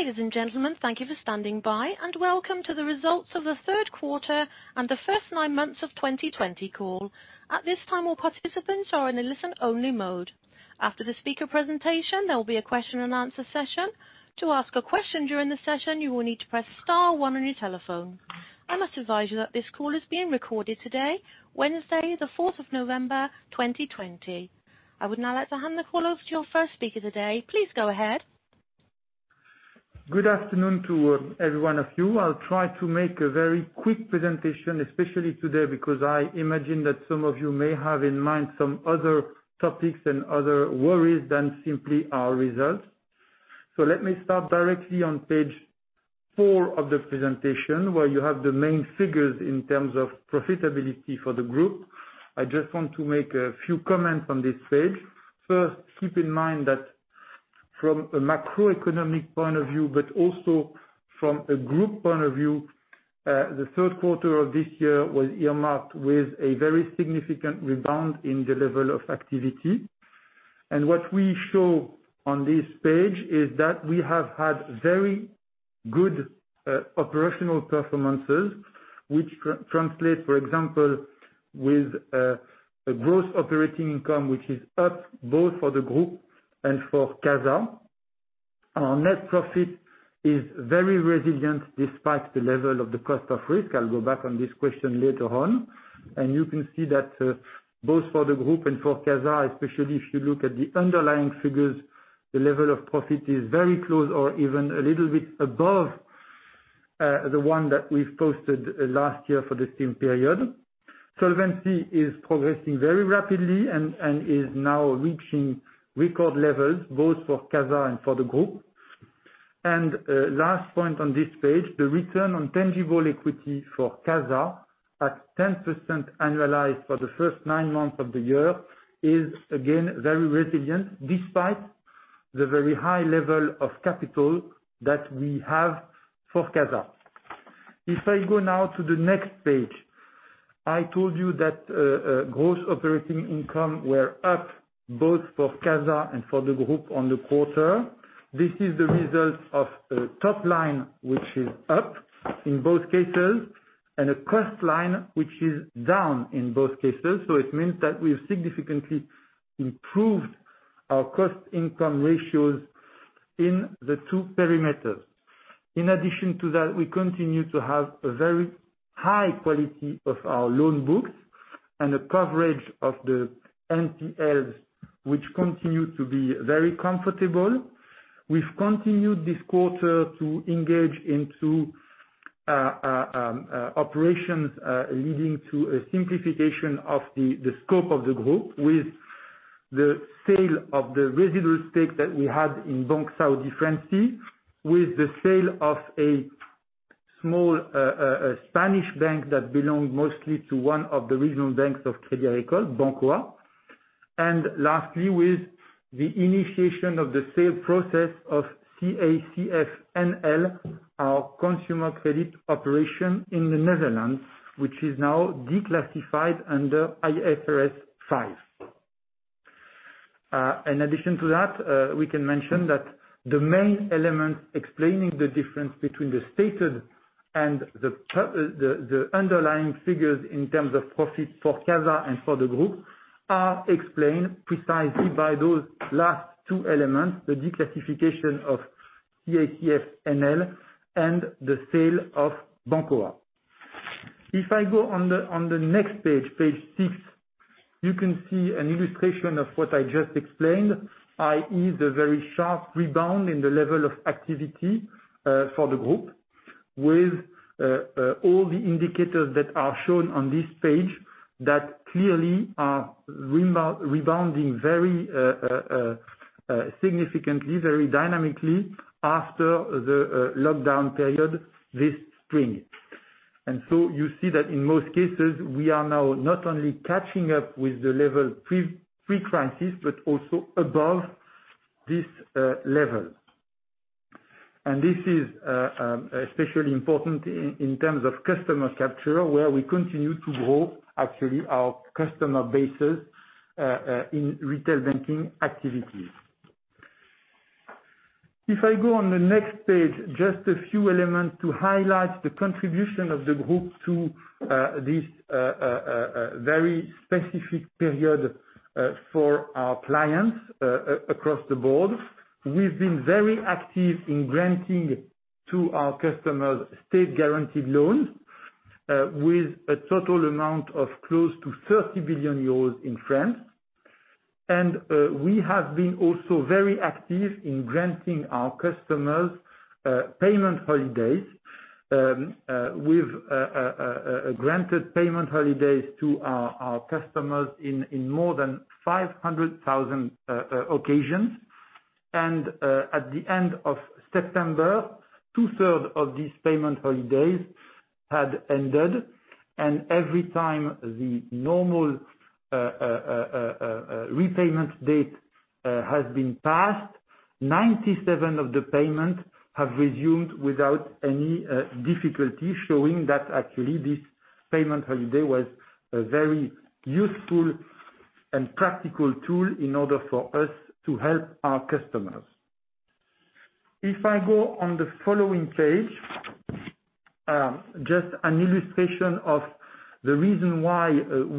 Ladies and gentlemen, thank you for standing by, and welcome to the results of the third quarter and the first nine months of 2020 call. At this time, all participants are in a listen-only mode. After the speaker presentation, there will be a question-and-answer session. To ask a question during the session, you will need to press star one on your telephone. I must advise you that this call is being recorded today, Wednesday, the 4th of November, 2020. I would now like to hand the call over to your first speaker today. Please go ahead. Good afternoon to every one of you. I'll try to make a very quick presentation, especially today, because I imagine that some of you may have in mind some other topics and other worries than simply our results. Let me start directly on page four of the presentation, where you have the main figures in terms of profitability for the group. I just want to make a few comments on this page. First, keep in mind that from a macroeconomic point of view, but also from a group point of view, the third quarter of this year was earmarked with a very significant rebound in the level of activity. What we show on this page is that we have had very good operational performances, which translate, for example, with a gross operating income, which is up both for the group and for CASA. Our net profit is very resilient despite the level of the cost of risk. I'll go back on this question later on. You can see that both for the group and for CASA, especially if you look at the underlying figures, the level of profit is very close or even a little bit above the one that we've posted last year for the same period. Solvency is progressing very rapidly and is now reaching record levels, both for CASA and for the group. Last point on this page, the return on tangible equity for CASA at 10% annualized for the first nine months of the year is again, very resilient, despite the very high level of capital that we have for CASA. If I go now to the next page, I told you that gross operating income were up both for CASA and for the group on the quarter. This is the result of a top line, which is up in both cases, and a cost line, which is down in both cases. It means that we have significantly improved our cost income ratios in the two perimeters. In addition to that, we continue to have a very high quality of our loan books and a coverage of the NPLs, which continue to be very comfortable. We've continued this quarter to engage into operations, leading to a simplification of the scope of the group with the sale of the residual stake that we had in Banque Saudi Fransi, with the sale of a small Spanish bank that belonged mostly to one of the regional banks of Crédit Agricole, Bankoa. Lastly, with the initiation of the sale process of CACF NL, our consumer credit operation in the Netherlands, which is now declassified under IFRS five. In addition to that, we can mention that the main elements explaining the difference between the stated and the underlying figures in terms of profit for CASA and for the group are explained precisely by those last two elements, the declassification of CACF NL and the sale of Bankoa. If I go on the next page six, you can see an illustration of what I just explained, i.e., the very sharp rebound in the level of activity, for the group with all the indicators that are shown on this page that clearly are rebounding very significantly, very dynamically after the lockdown period this spring. You see that in most cases, we are now not only catching up with the level pre-crisis, but also above this level. This is especially important in terms of customer capture, where we continue to grow actually our customer bases in retail banking activities. If I go on the next page, just a few elements to highlight the contribution of the group to this very specific period for our clients across the board. We've been very active in granting to our customers state-guaranteed loans with a total amount of close to 30 billion euros in France. We have been also very active in granting our customers payment holidays. We've granted payment holidays to our customers in more than 500,000 occasions. At the end of September, two-third of these payment holidays had ended, and every time the normal repayment date has been passed, 97 of the payment have resumed without any difficulty, showing that actually this payment holiday was a very useful and practical tool in order for us to help our customers. If I go on the following page, just an illustration of the reason why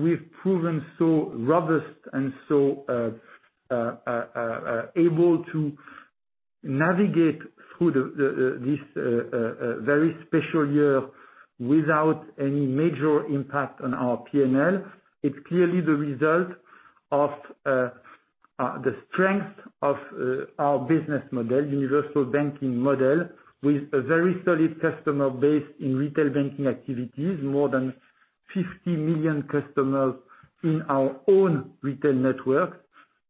we've proven so robust and so able to navigate through this very special year without any major impact on our P&L. It's clearly the result of the strength of our business model, universal banking model, with a very solid customer base in retail banking activities, more than 50 million customers in our own retail network.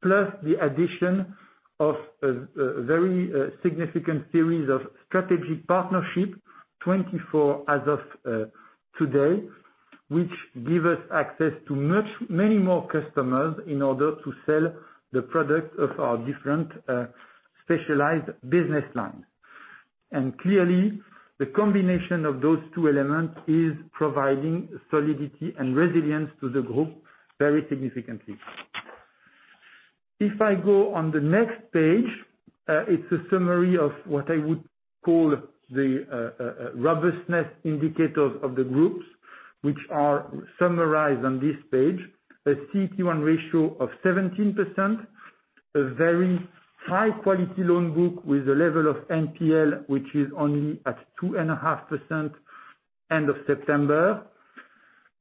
Plus the addition of a very significant series of strategy partnership, 24 as of today, which give us access to many more customers in order to sell the product of our different specialized business lines. Clearly, the combination of those two elements is providing solidity and resilience to the group very significantly. If I go on the next page, it's a summary of what I would call the robustness indicators of the group, which are summarized on this page. A CET1 ratio of 17%, a very high-quality loan book with a level of NPL, which is only at 2.5% end of September.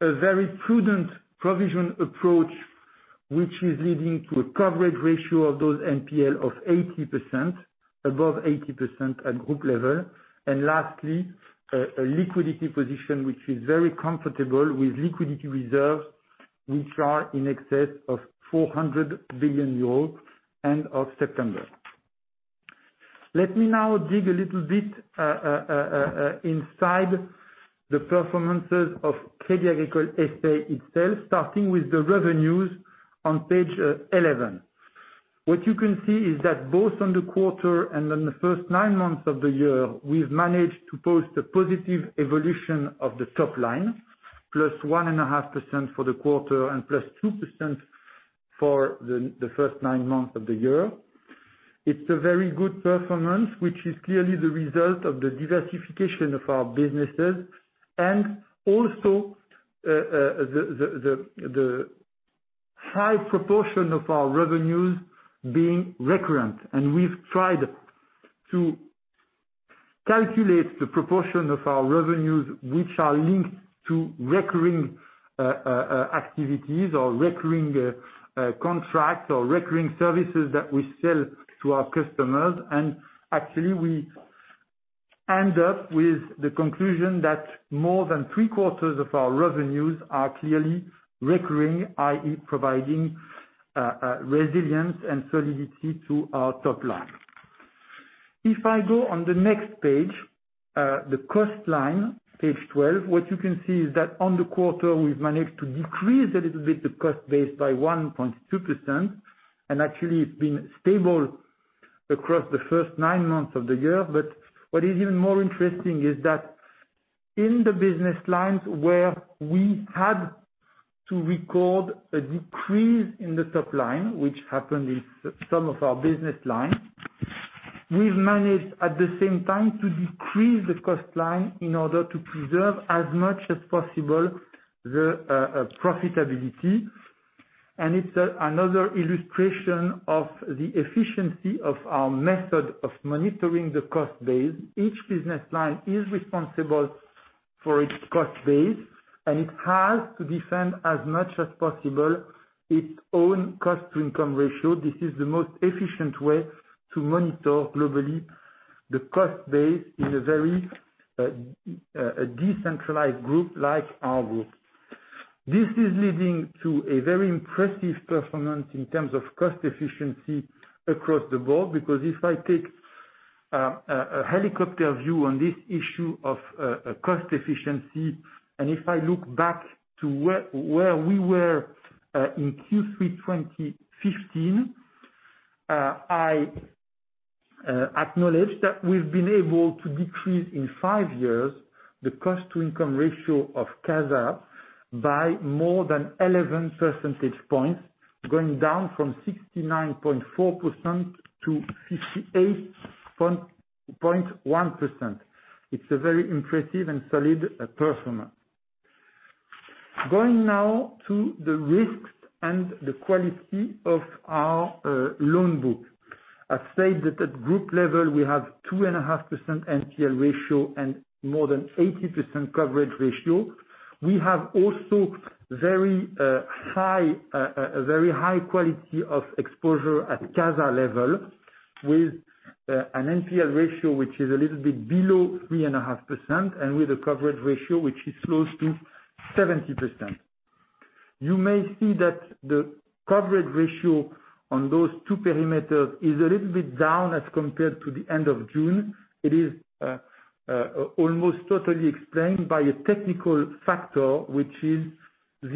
A very prudent provision approach, which is leading to a coverage ratio of those NPL of 80%, above 80% at group level. Lastly, a liquidity position which is very comfortable with liquidity reserves, which are in excess of 400 billion euros end of September. Let me now dig a little bit inside the performances of Crédit Agricole SA itself, starting with the revenues on page 11. What you can see is that both on the quarter and on the first nine months of the year, we've managed to post a positive evolution of the top line, +1.5% for the quarter and +2% for the first nine months of the year. It's a very good performance, which is clearly the result of the diversification of our businesses, and also the high proportion of our revenues being recurrent. We've tried to calculate the proportion of our revenues, which are linked to recurring activities or recurring contracts or recurring services that we sell to our customers. Actually, we end up with the conclusion that more than three-quarters of our revenues are clearly recurring, i.e., providing resilience and solidity to our top line. If I go on the next page, the cost line, page 12, what you can see is that on the quarter, we've managed to decrease a little bit the cost base by 1.2%, and actually it's been stable across the first nine months of the year. What is even more interesting is that in the business lines where we had to record a decrease in the top line, which happened in some of our business lines, we've managed at the same time to decrease the cost line in order to preserve as much as possible the profitability. It's another illustration of the efficiency of our method of monitoring the cost base. Each business line is responsible for its cost base, and it has to defend as much as possible its own cost-to-income ratio. This is the most efficient way to monitor globally the cost base in a very decentralized group like our group. This is leading to a very impressive performance in terms of cost efficiency across the board. If I take a helicopter view on this issue of cost efficiency, and if I look back to where we were in Q3 2015, I acknowledge that we've been able to decrease in five years the cost-to-income ratio of CASA by more than 11 percentage points, going down from 69.4% to 58.1%. It's a very impressive and solid performance. Going now to the risks and the quality of our loan book. I've said that at group level, we have 2.5% NPL ratio and more than 80% coverage ratio. We have also a very high quality of exposure at CASA level with an NPL ratio, which is a little bit below 3.5% and with a coverage ratio, which is close to 70%. You may see that the coverage ratio on those two perimeters is a little bit down as compared to the end of June. It is almost totally explained by a technical factor, which is, to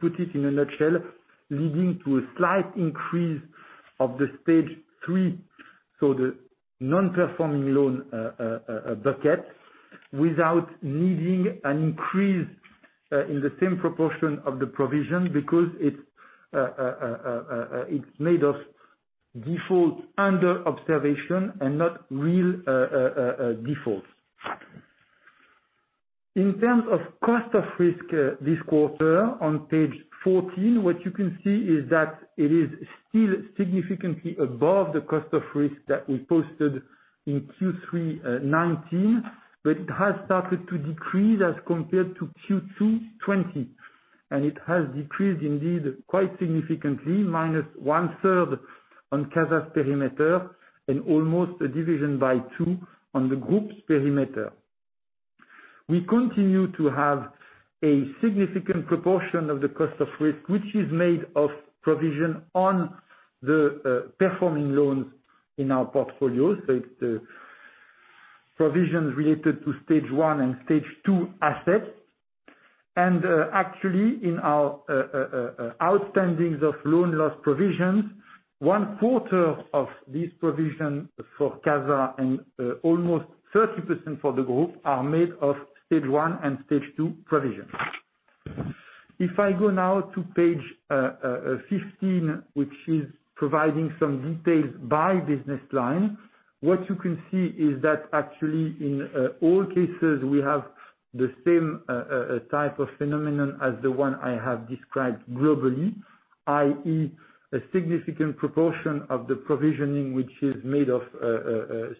put it in a nutshell, leading to a slight increase of the stage three, so the non-performing loan bucket, without needing an increase in the same proportion of the provision, because it's made of default under observation and not real defaults. In terms of cost of risk this quarter, on page 14, what you can see is that it is still significantly above the cost of risk that we posted in Q3 2019, but it has started to decrease as compared to Q2 2020. It has decreased indeed quite significantly, -1/3 on CASA's perimeter, and almost a division by two on the group's perimeter. We continue to have a significant proportion of the cost of risk, which is made of provision on the performing loans in our portfolio. It's the provisions related to stage one and stage two assets. Actually, in our outstandings of loan loss provisions, one quarter of these provision for CASA and almost 30% for the group are made of stage one and stage two provisions. If I go now to page 15, which is providing some details by business line, what you can see is that actually in all cases, we have the same type of phenomenon as the one I have described globally, i.e., a significant proportion of the provisioning, which is made of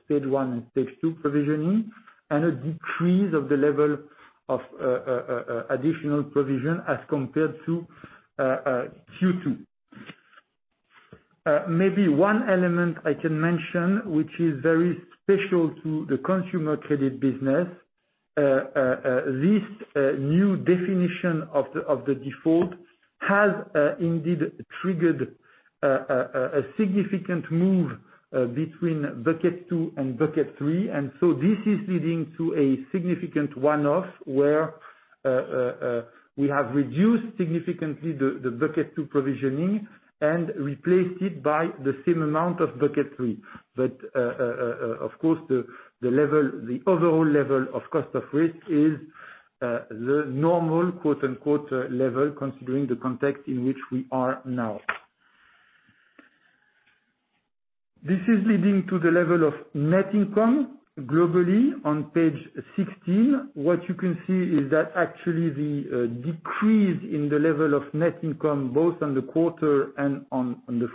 stage one and stage two provisioning, and a decrease of the level of additional provision as compared to Q2. Maybe one element I can mention, which is very special to the consumer credit business, this new definition of the default has indeed triggered a significant move between bucket two and bucket three. This is leading to a significant one-off, where we have reduced significantly the bucket two provisioning and replaced it by the same amount of bucket three. Of course, the overall level of cost of risk is the "normal" level, considering the context in which we are now. This is leading to the level of net income globally on page 16. What you can see is that actually the decrease in the level of net income, both on the quarter and on the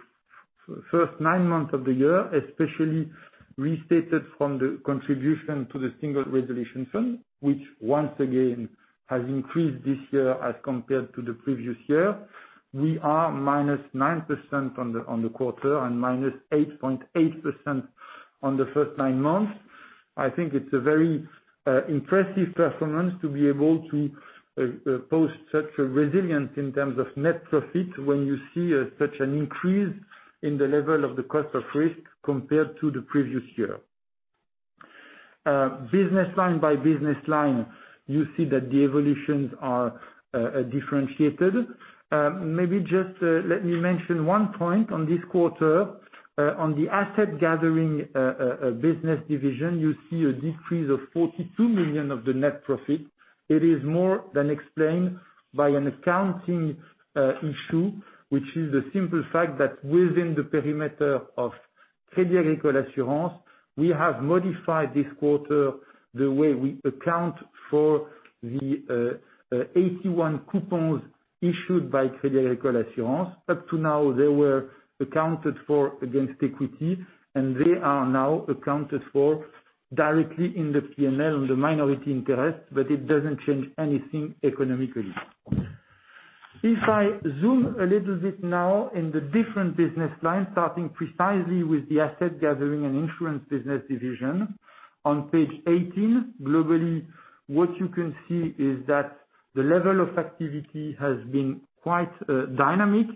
first nine months of the year, especially restated from the contribution to the Single Resolution Fund, which once again has increased this year as compared to the previous year. We are -9% on the quarter and -8.8% on the first nine months. I think it's a very impressive performance to be able to post such a resilience in terms of net profit when you see such an increase in the level of the cost of risk compared to the previous year. Business line by business line, you see that the evolutions are differentiated. Maybe just let me mention one point on this quarter. On the asset gathering business division, you see a decrease of 42 million of the net profit. It is more than explained by an accounting issue, which is the simple fact that within the perimeter of Crédit Agricole Assurance, we have modified this quarter the way we account for the AT1 coupons issued by Crédit Agricole Assurance. Up to now, they were accounted for against equity, and they are now accounted for directly in the P&L on the minority interest, but it doesn't change anything economically. If I zoom a little bit now in the different business lines, starting precisely with the asset gathering and insurance business division. On page 18, globally, what you can see is that the level of activity has been quite dynamic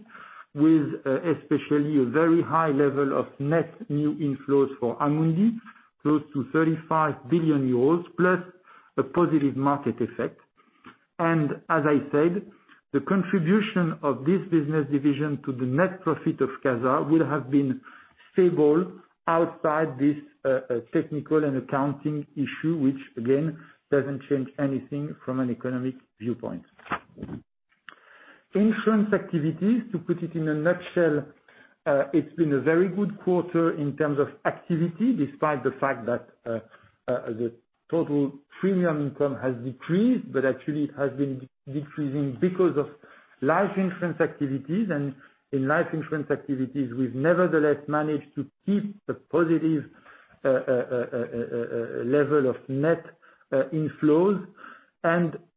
with especially a very high level of net new inflows for Amundi, close to 35 billion euros, plus a positive market effect. As I said, the contribution of this business division to the net profit of CASA will have been stable outside this technical and accounting issue, which, again, doesn't change anything from an economic viewpoint. Insurance activities, to put it in a nutshell, it's been a very good quarter in terms of activity, despite the fact that the total premium income has decreased, actually it has been decreasing because of life insurance activities, and in life insurance activities, we've nevertheless managed to keep a positive level of net inflows.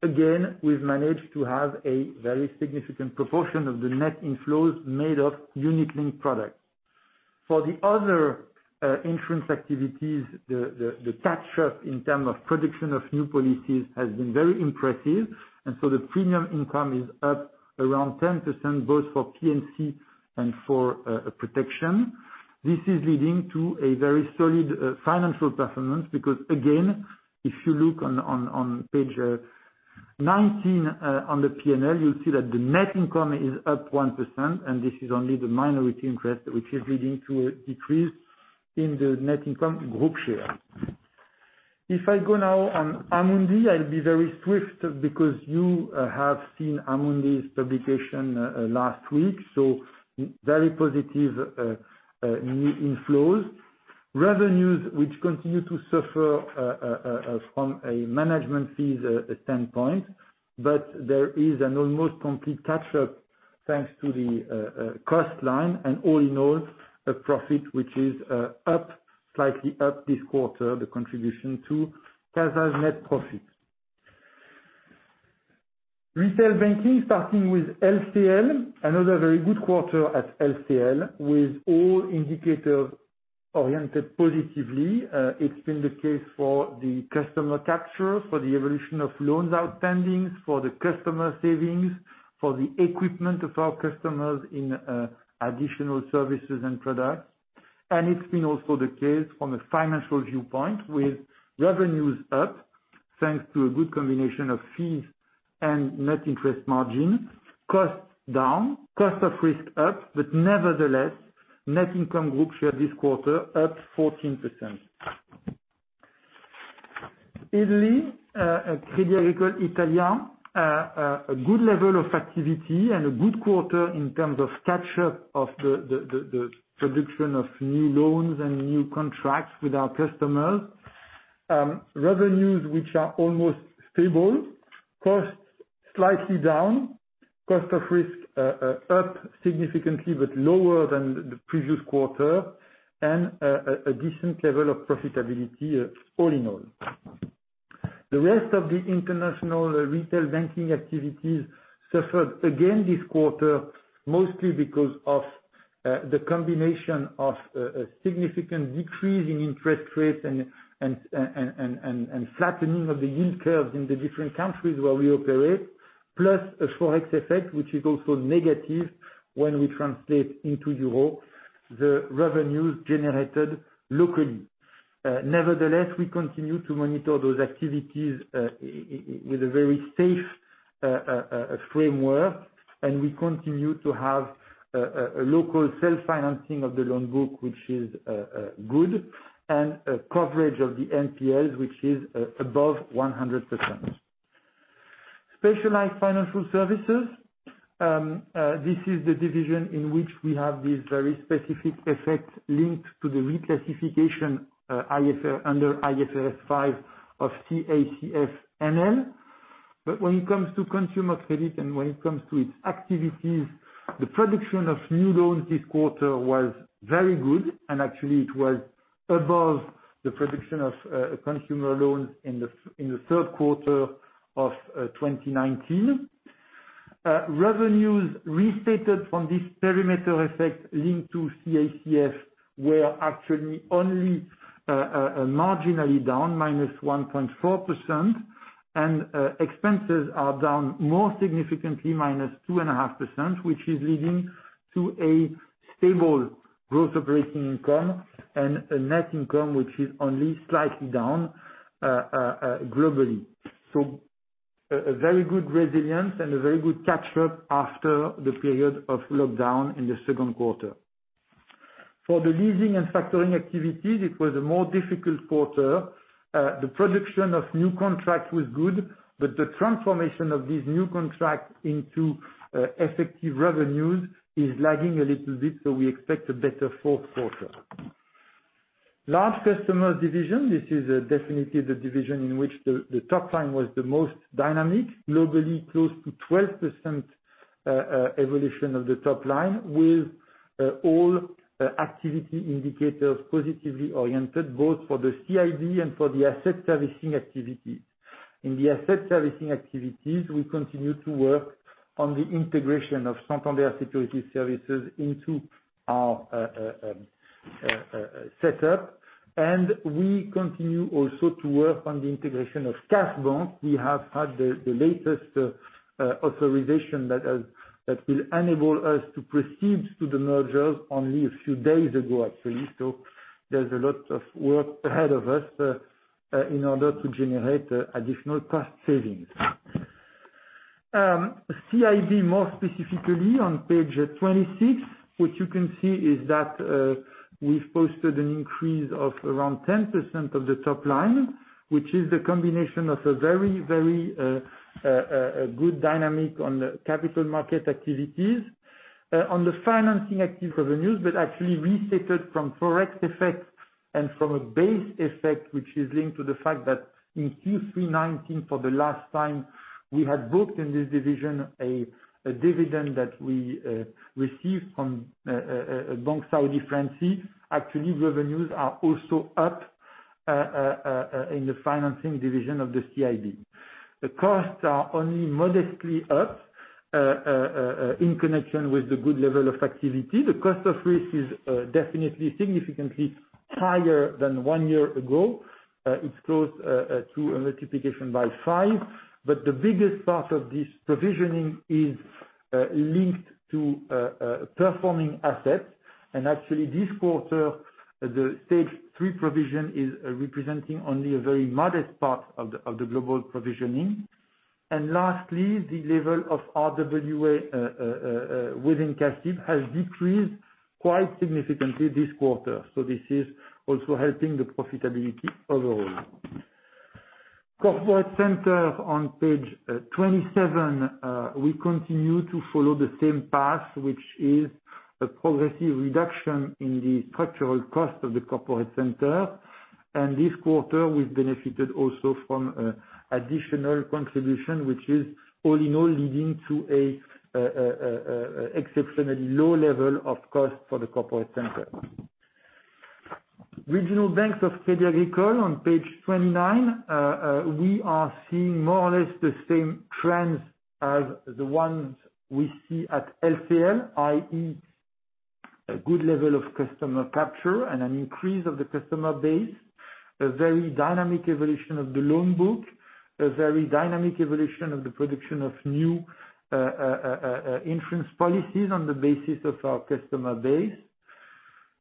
Again, we've managed to have a very significant proportion of the net inflows made of unit-linked products. For the other insurance activities, the capture in term of production of new policies has been very impressive, and so the premium income is up around 10%, both for P&C and for protection. This is leading to a very solid financial performance because, again, if you look on page 19 on the P&L, you'll see that the net income is up 1%, and this is only the minority interest which is leading to a decrease in the net income group share. If I go now on Amundi, I'll be very swift because you have seen Amundi's publication last week. Very positive new inflows. Revenues, which continue to suffer from a management fees standpoint, but there is an almost complete catch-up thanks to the cost line and all in all, a profit which is slightly up this quarter, the contribution to CASA's net profit. Retail banking, starting with LCL, another very good quarter at LCL, with all indicators oriented positively. It's been the case for the customer capture, for the evolution of loans outstandings, for the customer savings, for the equipment of our customers in additional services and products. It's been also the case from a financial viewpoint with revenues up, thanks to a good combination of fees and net interest margin, costs down, cost of risk up, but nevertheless, net income group share this quarter up 14%. Italy, Crédit Agricole Italia, a good level of activity and a good quarter in terms of catch-up of the production of new loans and new contracts with our customers. Revenues which are almost stable, costs slightly down, cost of risk up significantly, but lower than the previous quarter, and a decent level of profitability all in all. The rest of the international retail banking activities suffered again this quarter, mostly because of the combination of a significant decrease in interest rates and flattening of the yield curves in the different countries where we operate. A Forex effect, which is also negative when we translate into euro, the revenues generated locally. Nevertheless, we continue to monitor those activities with a very safe framework, and we continue to have a local self-financing of the loan book, which is good, and coverage of the NPLs, which is above 100%. Specialized financial services. This is the division in which we have these very specific effects linked to the reclassification under IFRS five of CACF NL. When it comes to consumer credit and when it comes to its activities, the production of new loans this quarter was very good, and actually it was above the production of consumer loans in the third quarter of 2019. Revenues restated from this perimeter effect linked to CACF were actually only marginally down -1.4%, and expenses are down more significantly, -2.5%, which is leading to a stable gross operating income and a net income, which is only slightly down globally. A very good resilience and a very good catch-up after the period of lockdown in the second quarter. For the leasing and factoring activities, it was a more difficult quarter. The production of new contracts was good, but the transformation of these new contracts into effective revenues is lagging a little bit, so we expect a better fourth quarter. Large customer division. This is definitely the division in which the top line was the most dynamic, globally close to 12% evolution of the top line, with all activity indicators positively oriented, both for the CIB and for the asset servicing activities. In the asset servicing activities, we continue to work on the integration of Santander Securities Services into our setup, and we continue also to work on the integration of KAS BANK. We have had the latest authorization that will enable us to proceed to the mergers only a few days ago, actually. There's a lot of work ahead of us in order to generate additional cost savings. CIB, more specifically, on page 26, what you can see is that we've posted an increase of around 10% of the top line, which is the combination of a very, very good dynamic on the capital market activities. On the financing activity, actually restated from Forex effects and from a base effect, which is linked to the fact that in Q3 2019, for the last time, we had booked in this division a dividend that we received from Banque Saudi Fransi. Actually, revenues are also up in the financing division of the CIB. The costs are only modestly up, in connection with the good level of activity. The cost of risk is definitely significantly higher than one year ago. It's close to a multiplication by five, the biggest part of this provisioning is linked to performing assets. Actually, this quarter, the stage three provision is representing only a very modest part of the global provisioning. Lastly, the level of RWA within CACIB has decreased quite significantly this quarter. This is also helping the profitability overall. Corporate center on page 27. We continue to follow the same path, which is a progressive reduction in the structural cost of the corporate center. This quarter, we've benefited also from additional contribution, which is all in all, leading to a exceptionally low level of cost for the corporate center. Regional banks of Crédit Agricole on page 29. We are seeing more or less the same trends as the ones we see at LCL, i.e, a good level of customer capture and an increase of the customer base, a very dynamic evolution of the loan book, a very dynamic evolution of the production of new insurance policies on the basis of our customer base,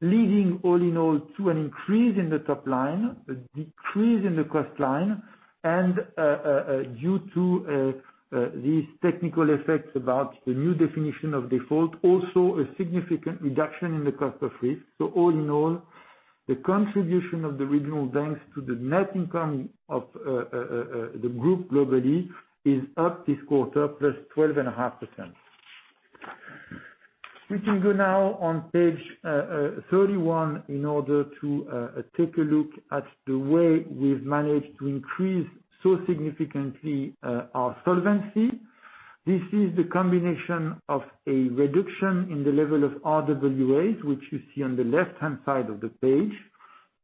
leading, all in all, to an increase in the top line, a decrease in the cost line, and due to these technical effects about the new definition of default, also a significant reduction in the cost of risk. All in all, the contribution of the regional banks to the net income of the group globally is up this quarter, +12.5%. We can go now on page 31 in order to take a look at the way we've managed to increase so significantly our solvency. This is the combination of a reduction in the level of RWAs, which you see on the left-hand side of the page.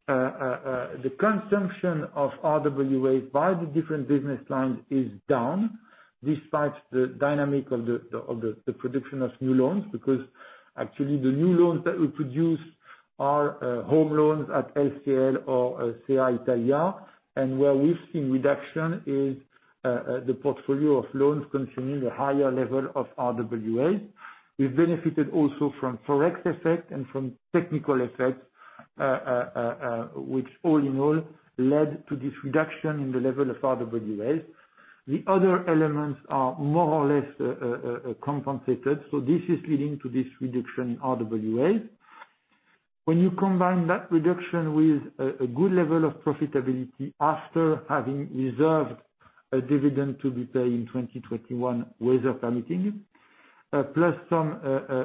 The consumption of RWAs by the different business lines is down, despite the dynamic of the production of new loans, because actually the new loans that we produce are home loans at LCL or Crédit Agricole Italia. Where we've seen reduction is the portfolio of loans containing a higher level of RWAs. We've benefited also from Forex effect and from technical effects, which all in all led to this reduction in the level of RWAs. The other elements are more or less compensated. This is leading to this reduction in RWAs. When you combine that reduction with a good level of profitability after having reserved a dividend to be paid in 2021, weather permitting, plus some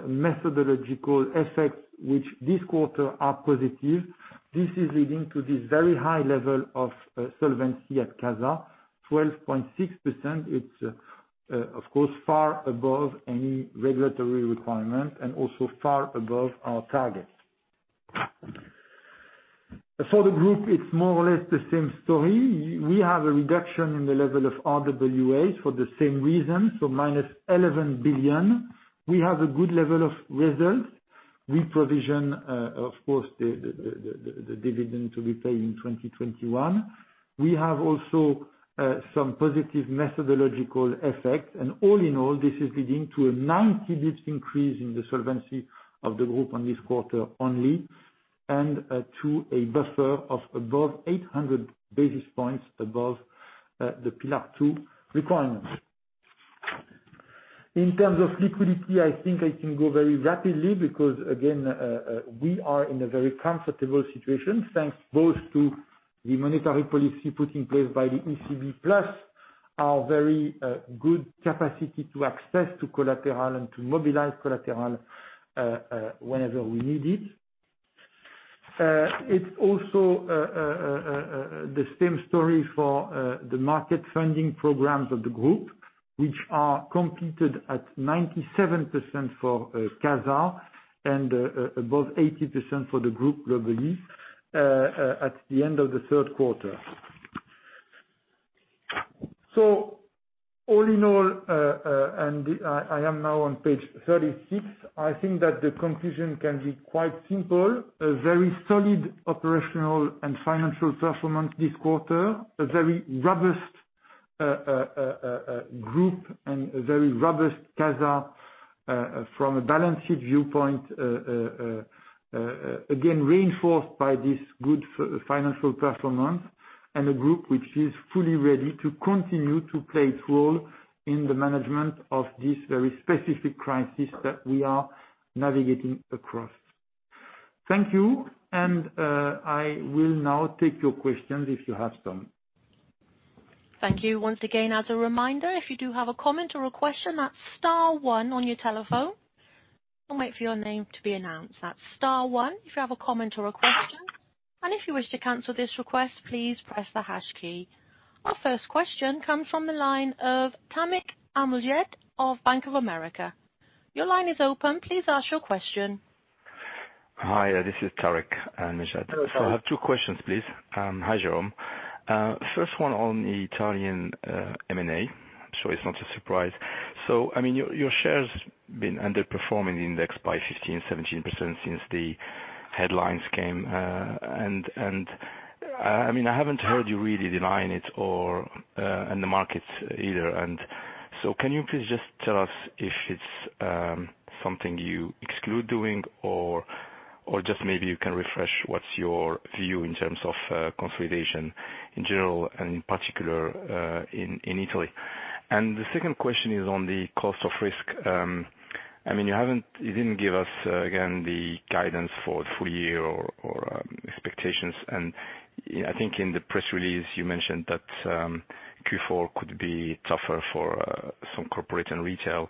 methodological effects which this quarter are positive, this is leading to this very high level of solvency at CASA, 12.6%. It's, of course, far above any regulatory requirement and also far above our targets. For the group, it's more or less the same story. We have a reduction in the level of RWAs for the same reason, -11 billion. We have a good level of results. We provision, of course, the dividend to be paid in 2021. We have also some positive methodological effects. All in all, this is leading to a 90 basis increase in the solvency of the group on this quarter only, and to a buffer of above 800 basis points above the Pillar two requirements. In terms of liquidity, I think I can go very rapidly because, again, we are in a very comfortable situation, thanks both to the monetary policy put in place by the ECB, plus our very good capacity to access to collateral and to mobilize collateral whenever we need it. It's also the same story for the market funding programs of the group, which are completed at 97% for CASA and above 80% for the group globally at the end of the third quarter. All in all, and I am now on page 36, I think that the conclusion can be quite simple. A very solid operational and financial performance this quarter, a very robust group and a very robust CASA from a balance sheet viewpoint, again, reinforced by this good financial performance and a group which is fully ready to continue to play its role in the management of this very specific crisis that we are navigating across. Thank you. I will now take your questions if you have some. Thank you once again. As a reminder, if you do have a comment or a question, that's star one on your telephone. I'll wait for your name to be announced. That's star one if you have a comment or a question. If you wish to cancel this request, please press the hash key. Our first question comes from the line of Tarik El Mejjad of Bank of America. Your line is open. Please ask your question. Hi, this is Tarik El Mejjad. Hello, Tarik. I have two questions, please. Hi, Jérôme. First one on the Italian M&A, it's not a surprise. Your share has been underperforming the index by 15%, 17% since the headlines came. I haven't heard you really denying it, and the market either. Can you please just tell us if it's something you exclude doing, or just maybe you can refresh what's your view in terms of consolidation in general and in particular in Italy? The second question is on the cost of risk. You didn't give us, again, the guidance for the full year or expectations, and I think in the press release you mentioned that Q4 could be tougher for some corporate and retail.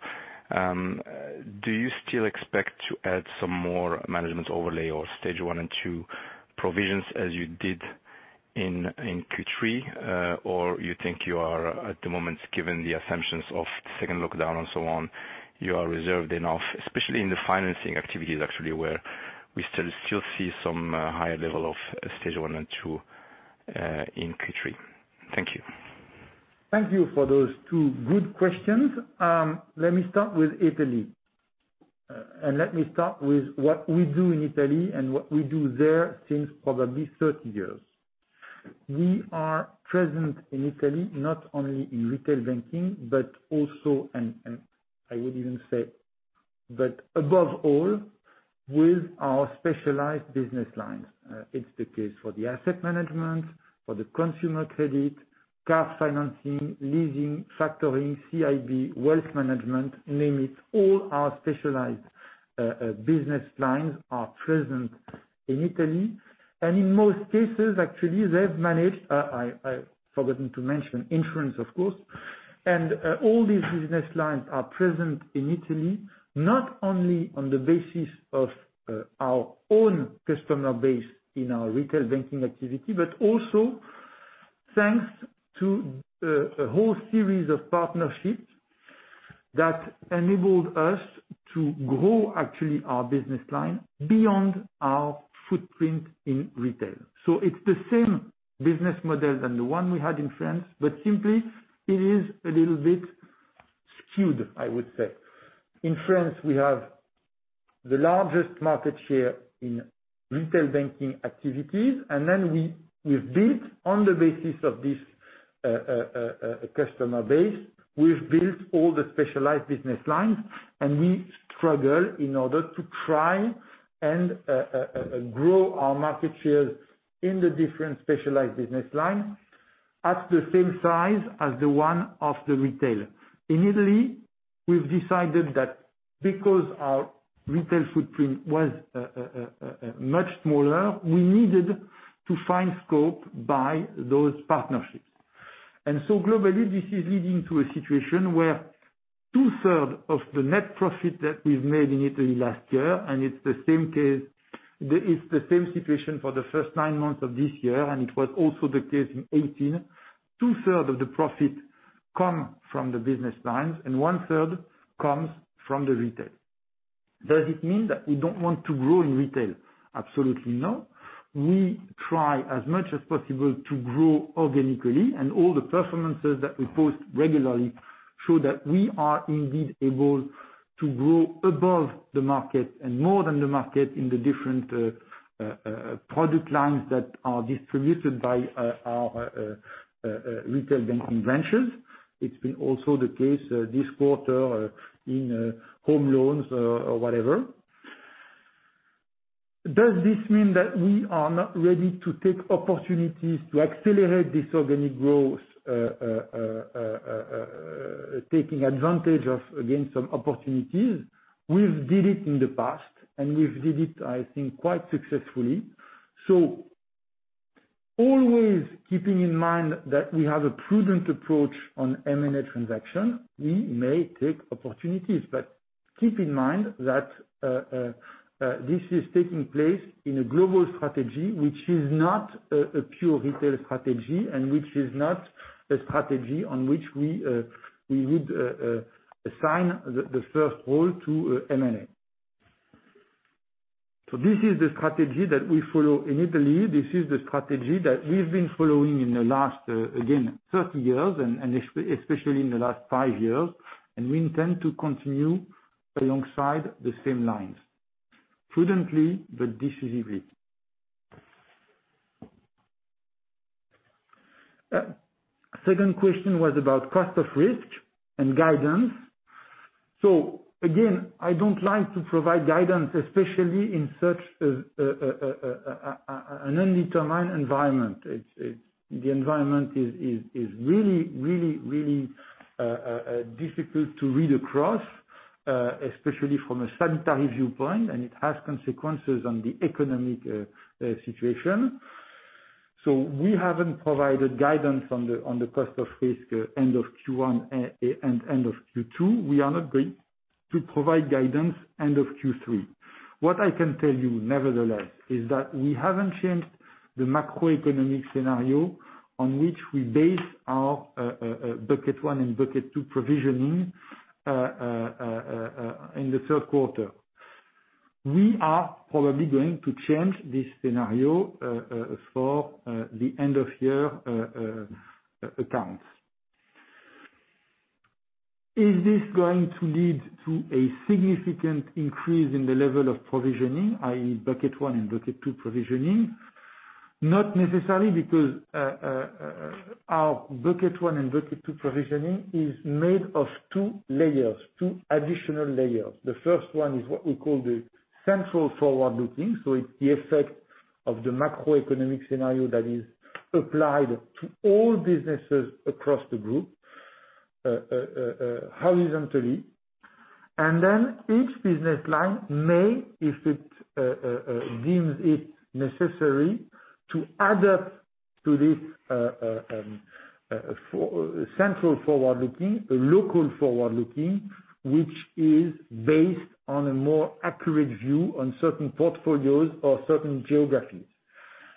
Do you still expect to add some more management overlay or stage one and two provisions as you did in Q3, or you think you are at the moment, given the assumptions of the second lockdown and so on, you are reserved enough, especially in the financing activities actually, where we still see some higher level of stage one and two in Q3? Thank you. Thank you for those two good questions. Let me start with Italy. Let me start with what we do in Italy and what we do there since probably 30 years. We are present in Italy, not only in retail banking, but also, and I would even say, but above all, with our specialized business lines. It's the case for the asset management, for the consumer credit, car financing, leasing, factoring, CIB, wealth management, you name it. All our specialized business lines are present in Italy. In most cases, actually, I've forgotten to mention insurance, of course. All these business lines are present in Italy, not only on the basis of our own customer base in our retail banking activity, but also thanks to a whole series of partnerships that enabled us to grow, actually, our business line beyond our footprint in retail. It's the same business model than the one we had in France, but simply it is a little bit skewed, I would say. In France, we have the largest market share in retail banking activities, and then on the basis of this customer base, we've built all the specialized business lines, and we struggle in order to try and grow our market shares in the different specialized business lines at the same size as the one of the retailer. In Italy, we've decided that because our retail footprint was much smaller, we needed to find scope by those partnerships. Globally, this is leading to a situation where two-third of the net profit that we've made in Italy last year, and it's the same situation for the first nine months of this year, and it was also the case in 2018. 2/3 of the profit come from the business lines, and 1/3 comes from the retail. Does it mean that we don't want to grow in retail? Absolutely not. We try as much as possible to grow organically, and all the performances that we post regularly show that we are indeed able to grow above the market and more than the market in the different product lines that are distributed by our retail banking branches. It's been also the case this quarter in home loans or whatever. Does this mean that we are not ready to take opportunities to accelerate this organic growth, taking advantage of, again, some opportunities? We've did it in the past, and we've did it, I think, quite successfully. Always keeping in mind that we have a prudent approach on M&A transaction, we may take opportunities. Keep in mind that this is taking place in a global strategy, which is not a pure retail strategy and which is not a strategy on which we would assign the first role to M&A. This is the strategy that we follow in Italy. This is the strategy that we've been following in the last, again, 30 years and especially in the last five years, and we intend to continue alongside the same lines, prudently but decisively. Second question was about cost of risk and guidance. Again, I don't like to provide guidance, especially in such an undetermined environment. The environment is really difficult to read across, especially from a sanitary viewpoint, and it has consequences on the economic situation. We haven't provided guidance on the cost of risk end of Q1 and end of Q2. We are not going to provide guidance end of Q3. What I can tell you, nevertheless, is that we haven't changed the macroeconomic scenario on which we base our bucket one and bucket two provisioning in the third quarter. We are probably going to change this scenario for the end of year accounts. Is this going to lead to a significant increase in the level of provisioning, i.e., bucket one and bucket two provisioning? Not necessarily, because our bucket one and bucket two provisioning is made of two layers, two additional layers. The first one is what we call the central forward-looking. It's the effect of the macroeconomic scenario that is applied to all businesses across the group horizontally. Each business line may, if it deems it necessary, to add up to this central forward-looking, a local forward-looking, which is based on a more accurate view on certain portfolios or certain geographies.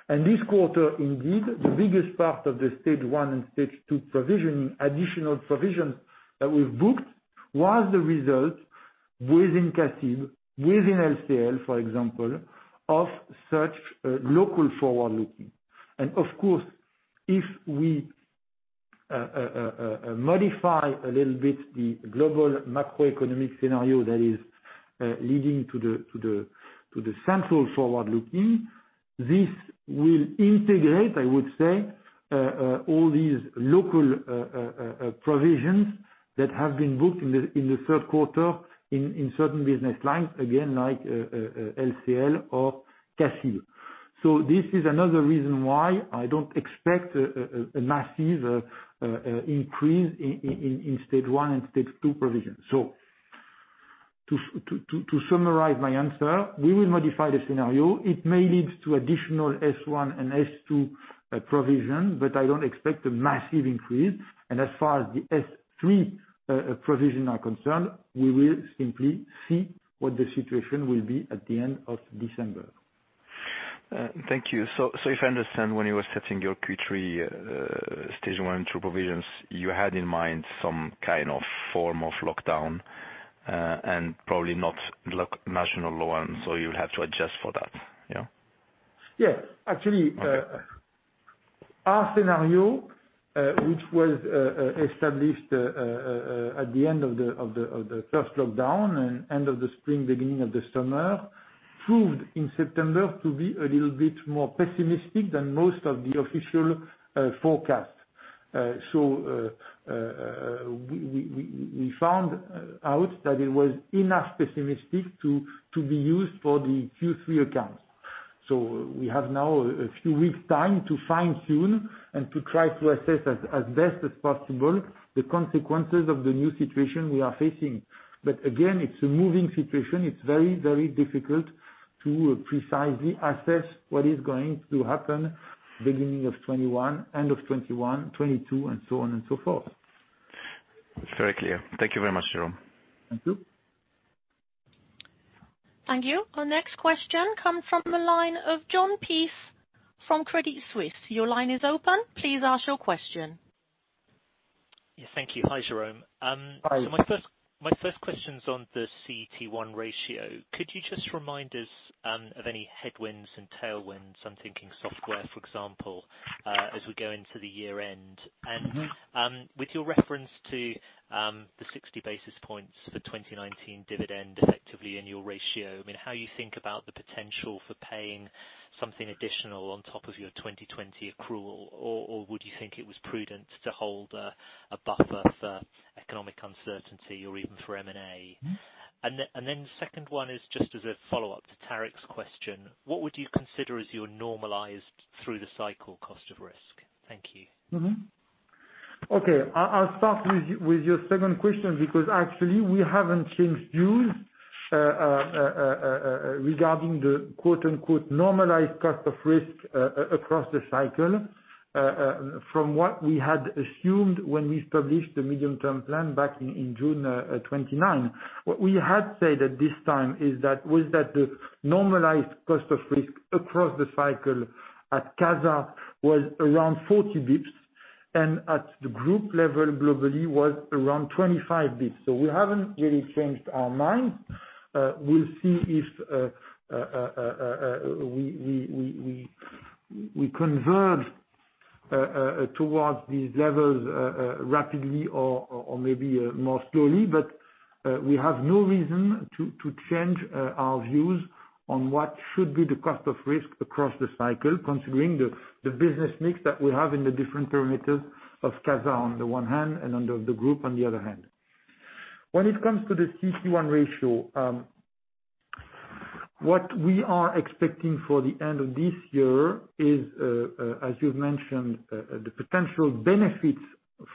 This quarter, indeed, the biggest part of the stage one and stage two provisioning, additional provision that we've booked, was the result within CACIB, within LCL, for example, of such local forward-looking. Of course, if we modify a little bit the global macroeconomic scenario that is leading to the central forward-looking, this will integrate, I would say, all these local provisions that have been booked in the third quarter in certain business lines, again, like LCL or CACIB. This is another reason why I don't expect a massive increase in stage one and stage two provisions. To summarize my answer, we will modify the scenario. It may lead to additional S1 and S2 provision, but I don't expect a massive increase. As far as the S3 provisions are concerned, we will simply see what the situation will be at the end of December. Thank you. If I understand, when you were setting your Q3 stage one, two provisions, you had in mind some kind of form of lockdown, and probably not national lockdown, so you'll have to adjust for that? Yeah. Yes. Actually, our scenario, which was established at the end of the first lockdown and end of the spring, beginning of the summer, proved in September to be a little bit more pessimistic than most of the official forecasts. We found out that it was enough pessimistic to be used for the Q3 accounts. We have now a few weeks time to fine-tune and to try to assess as best as possible the consequences of the new situation we are facing. Again, it's a moving situation. It's very difficult to precisely assess what is going to happen beginning of 2021, end of 2021, 2022, and so on and so forth. It's very clear. Thank you very much, Jérôme. Thank you. Thank you. Our next question comes from the line of Jon Peace from Credit Suisse. Your line is open. Please ask your question. Yeah. Thank you. Hi, Jérôme. Hi. My first question's on the CET1 ratio. Could you just remind us of any headwinds and tailwinds, I'm thinking software, for example, as we go into the year end? With your reference to the 60 basis points for 2019 dividend effectively in your ratio, how you think about the potential for paying something additional on top of your 2020 accrual? Would you think it was prudent to hold a buffer for economic uncertainty or even for M&A? Second one is just as a follow-up to Tarik's question. What would you consider as your normalized through the cycle cost of risk? Thank you. Okay. Actually we haven't changed views regarding the "normalized cost of risk" across the cycle, from what we had assumed when we established the medium-term plan back in June 29. What we had said at this time was that the normalized cost of risk across the cycle at CASA was around 40 basis points, and at the group level globally was around 25 basis points. We haven't really changed our mind. We'll see if we convert towards these levels rapidly or maybe more slowly. We have no reason to change our views on what should be the cost of risk across the cycle, considering the business mix that we have in the different parameters of CASA on the one hand, and under the group on the other hand. When it comes to the CET1 ratio, what we are expecting for the end of this year is, as you've mentioned, the potential benefits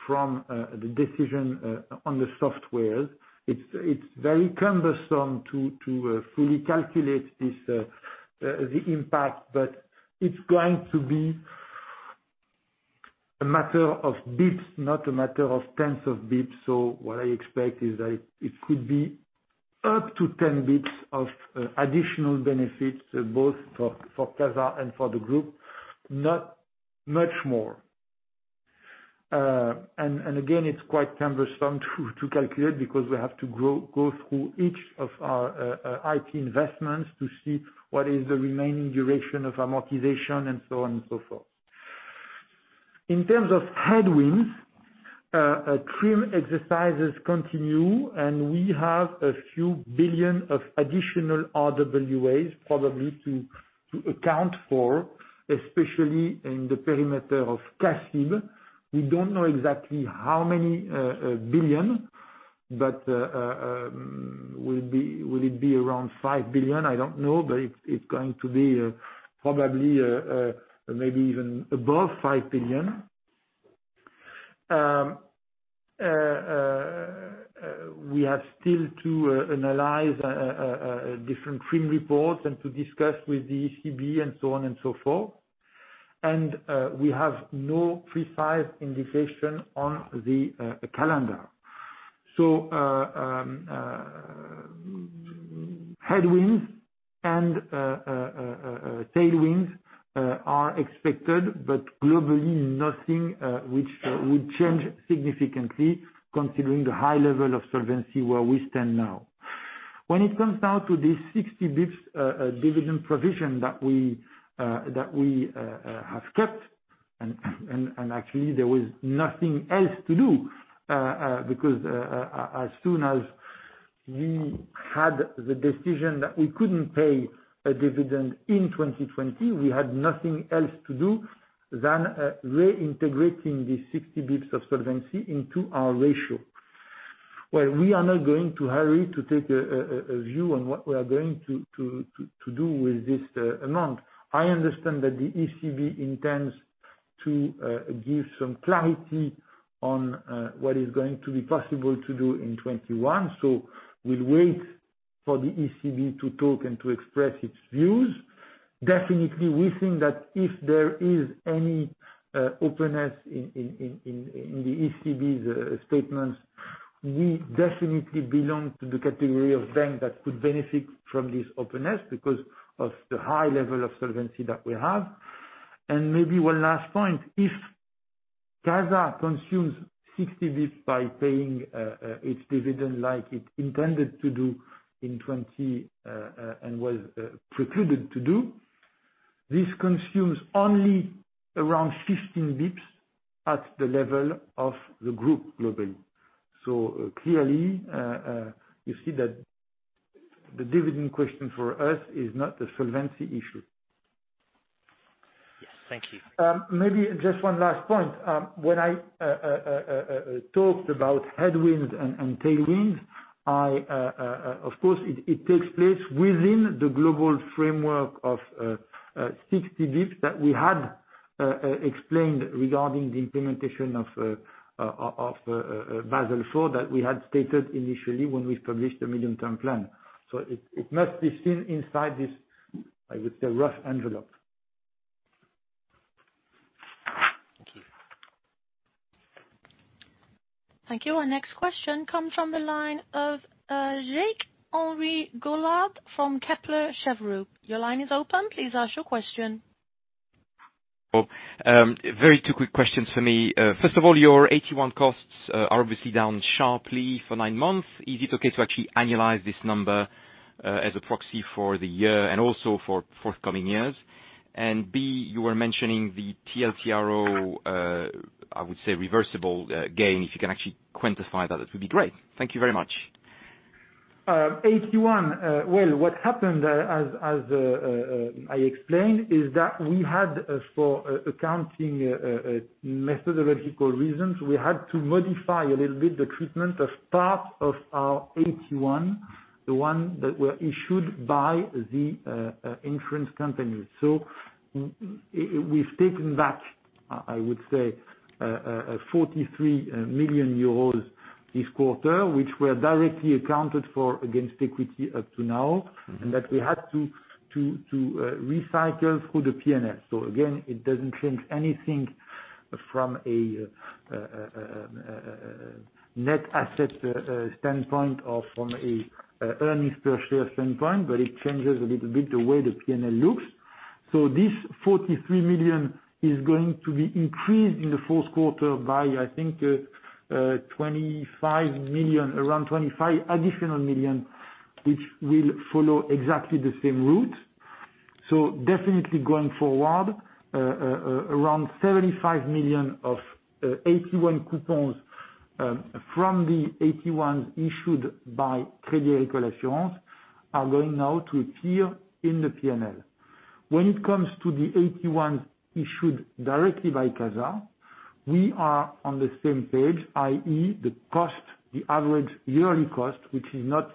from the decision on the software. It's very cumbersome to fully calculate the impact, but it's going to be a matter of bps, not a matter of tenths of bps. What I expect is that it could be up to 10 bps of additional benefits both for CASA and for the group. Not much more. Again, it's quite cumbersome to calculate because we have to go through each of our IT investments to see what is the remaining duration of amortization and so on and so forth. In terms of headwinds, TRIM exercises continue, and we have a few billion of additional RWAs, probably to account for, especially in the perimeter of CACIB. We don't know exactly how many billion. Will it be around 5 billion? I don't know. It's going to be probably, maybe even above EUR 5 billion. We have still to analyze different TRIM reports and to discuss with the ECB, and so on and so forth. We have no precise indication on the calendar. Headwinds and tailwinds are expected, but globally, nothing which would change significantly considering the high level of solvency where we stand now. When it comes down to the 60 basis points dividend provision that we have kept, and actually, there was nothing else to do, because as soon as we had the decision that we couldn't pay a dividend in 2020, we had nothing else to do than reintegrating the 60 basis points of solvency into our ratio. Well, we are not going to hurry to take a view on what we are going to do with this amount. I understand that the ECB intends to give some clarity on what is going to be possible to do in 2021. We'll wait for the ECB to talk and to express its views. Definitely, we think that if there is any openness in the ECB's statements, we definitely belong to the category of bank that could benefit from this openness because of the high level of solvency that we have. Maybe one last point, if CASA consumes 60 bps by paying its dividend like it intended to do in 2020, and was precluded to do, this consumes only around 15 bps at the level of the group globally. Clearly, you see that the dividend question for us is not a solvency issue. Yes. Thank you. Maybe just one last point. When I talked about headwinds and tailwinds, of course, it takes place within the global framework of 60 basis points that we had explained regarding the implementation of Basel IV that we had stated initially when we published the medium-term plan. It must be seen inside this, I would say, rough envelope. Thank you. Thank you. Our next question comes from the line of Jacques-Henri Gaulard from Kepler Cheuvreux. Your line is open. Please ask your question. Very two quick questions for me. First of all, your AT1 costs are obviously down sharply for nine months. Is it okay to actually annualize this number as a proxy for the year and also for forthcoming years? B, you were mentioning the TLTRO, I would say reversible gain. If you can actually quantify that would be great. Thank you very much. Well, what happened, as I explained, is that we had as for accounting methodological reasons, we had to modify a little bit the treatment of part of our AT1, the one that were issued by the insurance company. We've taken back, I would say, 43 million euros this quarter, which were directly accounted for against equity up to now, and that we had to recycle through the P&L. Again, it doesn't change anything from a net asset standpoint or from an earnings per share standpoint, but it changes a little bit the way the P&L looks. This 43 million is going to be increased in the fourth quarter by, I think, around 25 additional million, which will follow exactly the same route. Definitely going forward, around 75 million of AT1 coupons, from the AT1s issued by Crédit Agricole Assurances are going now to appear in the P&L. When it comes to the AT1s issued directly by CASA, we are on the same page, i.e., the average yearly cost, which is not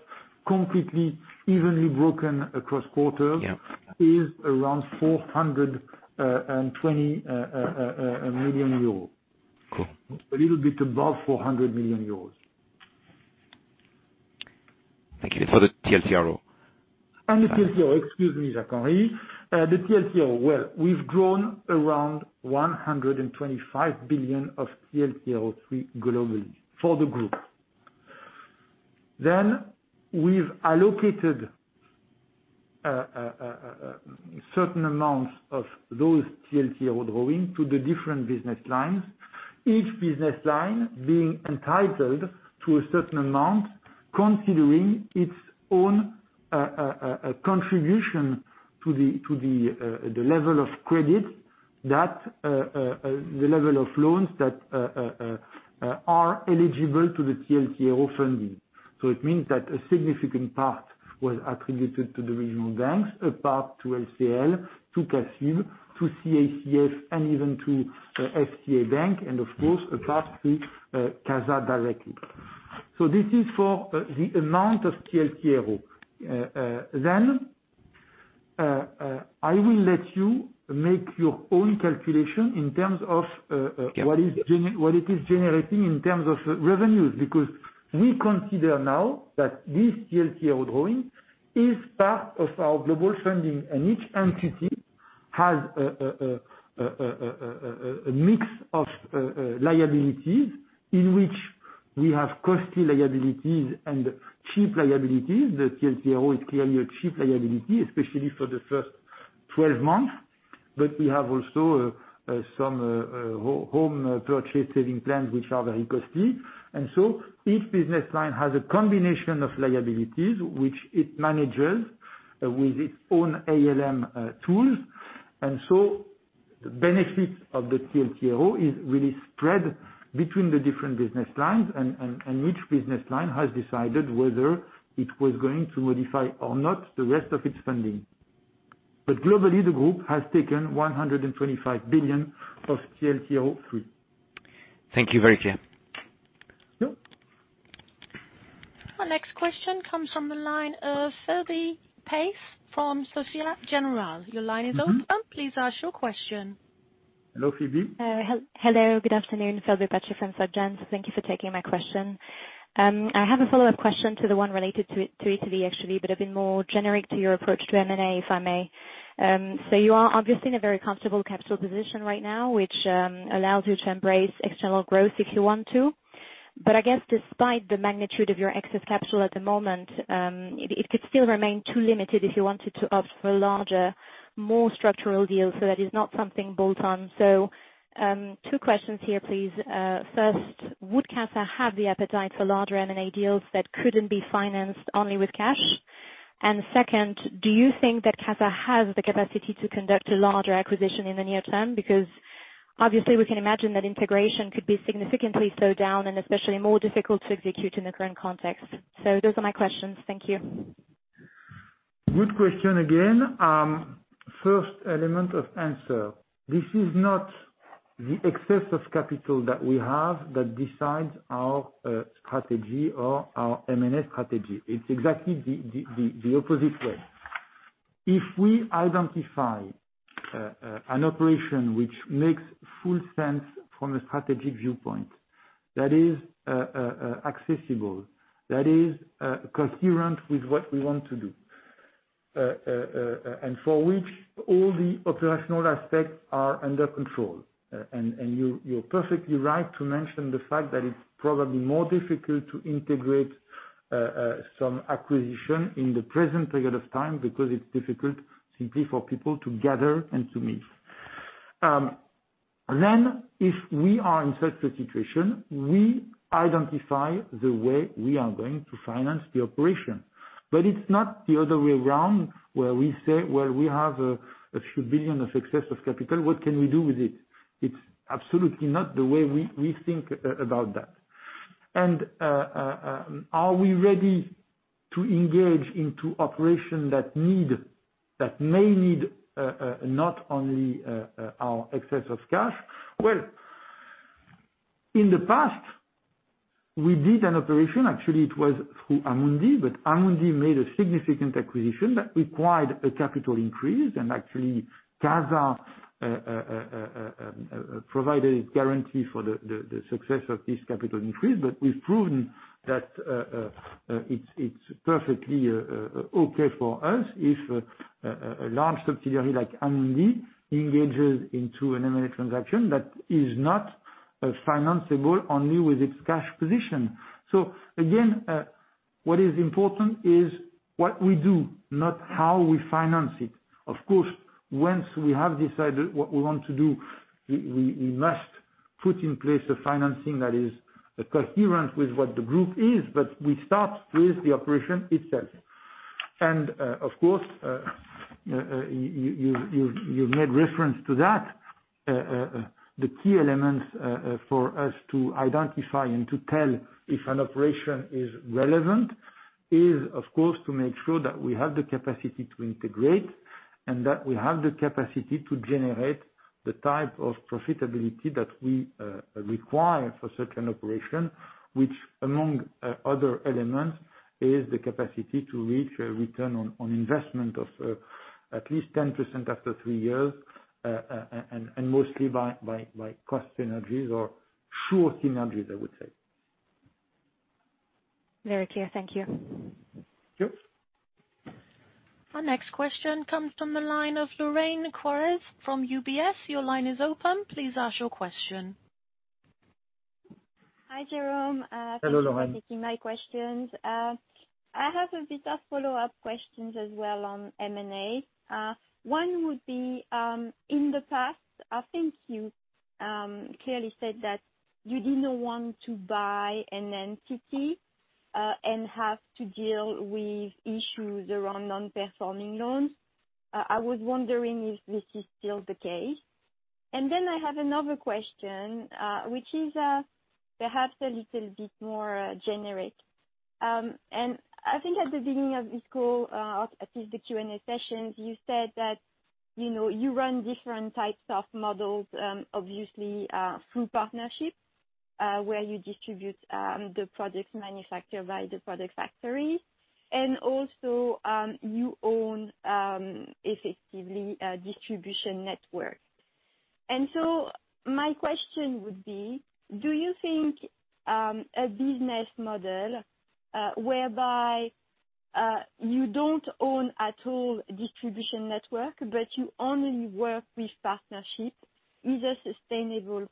completely evenly broken across quarters. Yeah is around 420 million euros. Cool. A little bit above 400 million euros. Thank you. For the TLTRO. The TLTRO. Excuse me, Jacques-Henri. The TLTRO. Well, we've grown around 125 billion of TLTRO III globally for the group. We've allocated certain amounts of those TLTRO drawing to the different business lines. Each business line being entitled to a certain amount considering its own contribution to the level of credit, the level of loans that are eligible to the TLTRO funding. It means that a significant part was attributed to the regional banks, a part to LCL, to CACIB, to CACF, and even to FCA Bank, and of course, a part to CASA directly. This is for the amount of TLTRO. I will let you make your own calculation in terms of what it is generating in terms of revenues, because we consider now that this TLTRO drawing is part of our global funding. Each entity has a mix of liabilities in which we have costly liabilities and cheap liabilities. The TLTRO is clearly a cheap liability, especially for the first 12 months. We have also some home purchase saving plans which are very costly. Each business line has a combination of liabilities which it manages with its own ALM tools. The benefits of the TLTRO is really spread between the different business lines, and each business line has decided whether it was going to modify or not the rest of its funding. Globally, the group has taken 125 billion of TLTRO III. Thank you. Very clear. Yep. Our next question comes from the line of Phelbe Pace from Société Générale. Your line is open, please ask your question. Hello, Phelbe. Hello, good afternoon. Phelbe Pace from SocGen. Thank you for taking my question. I have a follow-up question to the one related to Italy, actually, but a bit more generic to your approach to M&A, if I may. You are obviously in a very comfortable capital position right now, which allows you to embrace external growth if you want to. But I guess despite the magnitude of your excess capital at the moment, it could still remain too limited if you wanted to opt for larger, more structural deals. That is not something bolt-on. Two questions here, please. First, would CASA have the appetite for larger M&A deals that couldn't be financed only with cash? Second, do you think that CASA has the capacity to conduct a larger acquisition in the near term? Obviously we can imagine that integration could be significantly slowed down and especially more difficult to execute in the current context. Those are my questions. Thank you. Good question again. First element of answer. This is not the excess of capital that we have that decides our strategy or our M&A strategy. It's exactly the opposite way. If we identify an operation which makes full sense from a strategic viewpoint that is accessible, that is coherent with what we want to do, and for which all the operational aspects are under control. You're perfectly right to mention the fact that it's probably more difficult to integrate some acquisition in the present period of time, because it's difficult simply for people to gather and to meet. If we are in such situation, we identify the way we are going to finance the operation. It's not the other way around, where we say, "Well, we have a few billion of excess of capital. What can we do with it?" It's absolutely not the way we think about that. Are we ready to engage into operation that may need not only our excess of cash? Well, in the past, we did an operation. Actually, it was through Amundi, but Amundi made a significant acquisition that required a capital increase. Actually, CASA provided guarantee for the success of this capital increase. We've proven that it's perfectly okay for us if a large subsidiary like Amundi engages into an M&A transaction that is not financeable only with its cash position. Again, what is important is what we do, not how we finance it. Of course, once we have decided what we want to do, we must put in place a financing that is coherent with what the group is. We start with the operation itself. Of course, you made reference to that. The key elements for us to identify and to tell if an operation is relevant is, of course, to make sure that we have the capacity to integrate and that we have the capacity to generate the type of profitability that we require for such an operation. Which among other elements is the capacity to reach a return on investment of at least 10% after three years, and mostly by cost synergies or true synergies, I would say. Very clear. Thank you. Sure. Our next question comes from the line of Lorraine Quoirez from UBS. Your line is open. Please ask your question. Hi, Jérôme. Hello, Lorraine. Thank you for taking my questions. I have a bit of follow-up questions as well on M&A. One would be, in the past, I think you clearly said that you did not want to buy an entity and have to deal with issues around non-performing loans. I was wondering if this is still the case. Then I have another question, which is perhaps a little bit more generic. I think at the beginning of this call, at least the Q&A session, you said that you run different types of models, obviously, through partnerships, where you distribute the products manufactured by the product factory, and also, you own effectively a distribution network. My question would be, do you think a business model whereby you don't own at all distribution network, but you only work with partnership, is a sustainable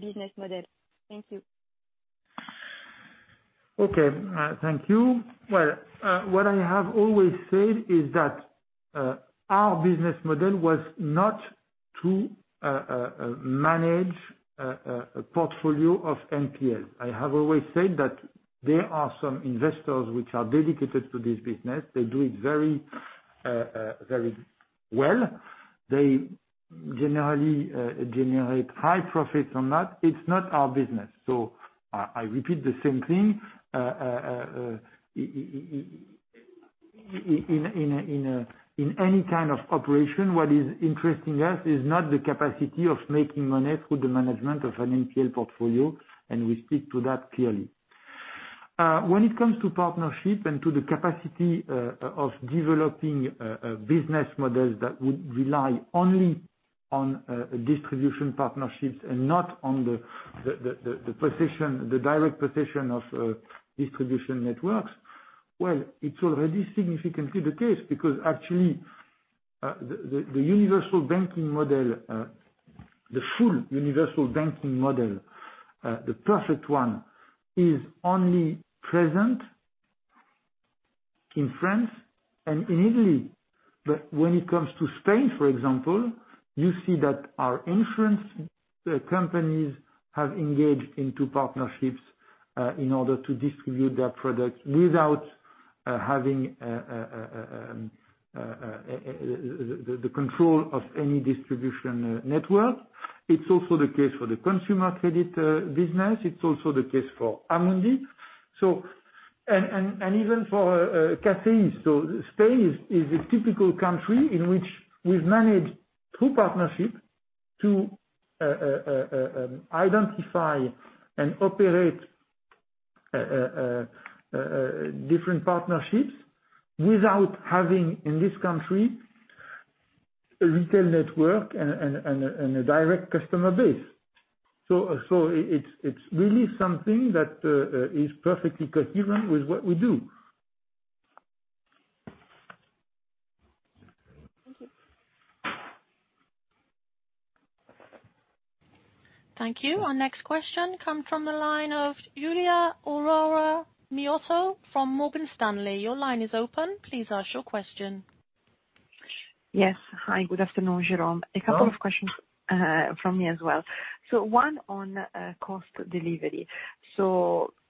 business model? Thank you. Okay. Thank you. Well, what I have always said is that our business model was not to manage a portfolio of NPL. I have always said that there are some investors which are dedicated to this business. They do it very well. They generally generate high profits on that. It's not our business. I repeat the same thing. In any kind of operation, what is interesting us is not the capacity of making money through the management of an NPL portfolio, and we speak to that clearly. When it comes to partnership and to the capacity of developing business models that would rely only on distribution partnerships and not on the direct possession of distribution networks, well, it's already significantly the case. Because actually, the full universal banking model, the perfect one, is only present in France and in Italy. When it comes to Spain, for example, you see that our insurance companies have engaged into partnerships in order to distribute their products without having the control of any distribution network. It's also the case for the consumer credit business. It's also the case for Amundi. Even for CACIB. Spain is a typical country in which we've managed, through partnership, to identify and operate different partnerships without having, in this country, a retail network and a direct customer base. It's really something that is perfectly coherent with what we do. Thank you. Thank you. Our next question come from the line of Giulia Aurora Miotto from Morgan Stanley. Your line is open. Please ask your question. Yes. Hi, good afternoon, Jérôme. Hello. A couple of questions from me as well. One on cost delivery.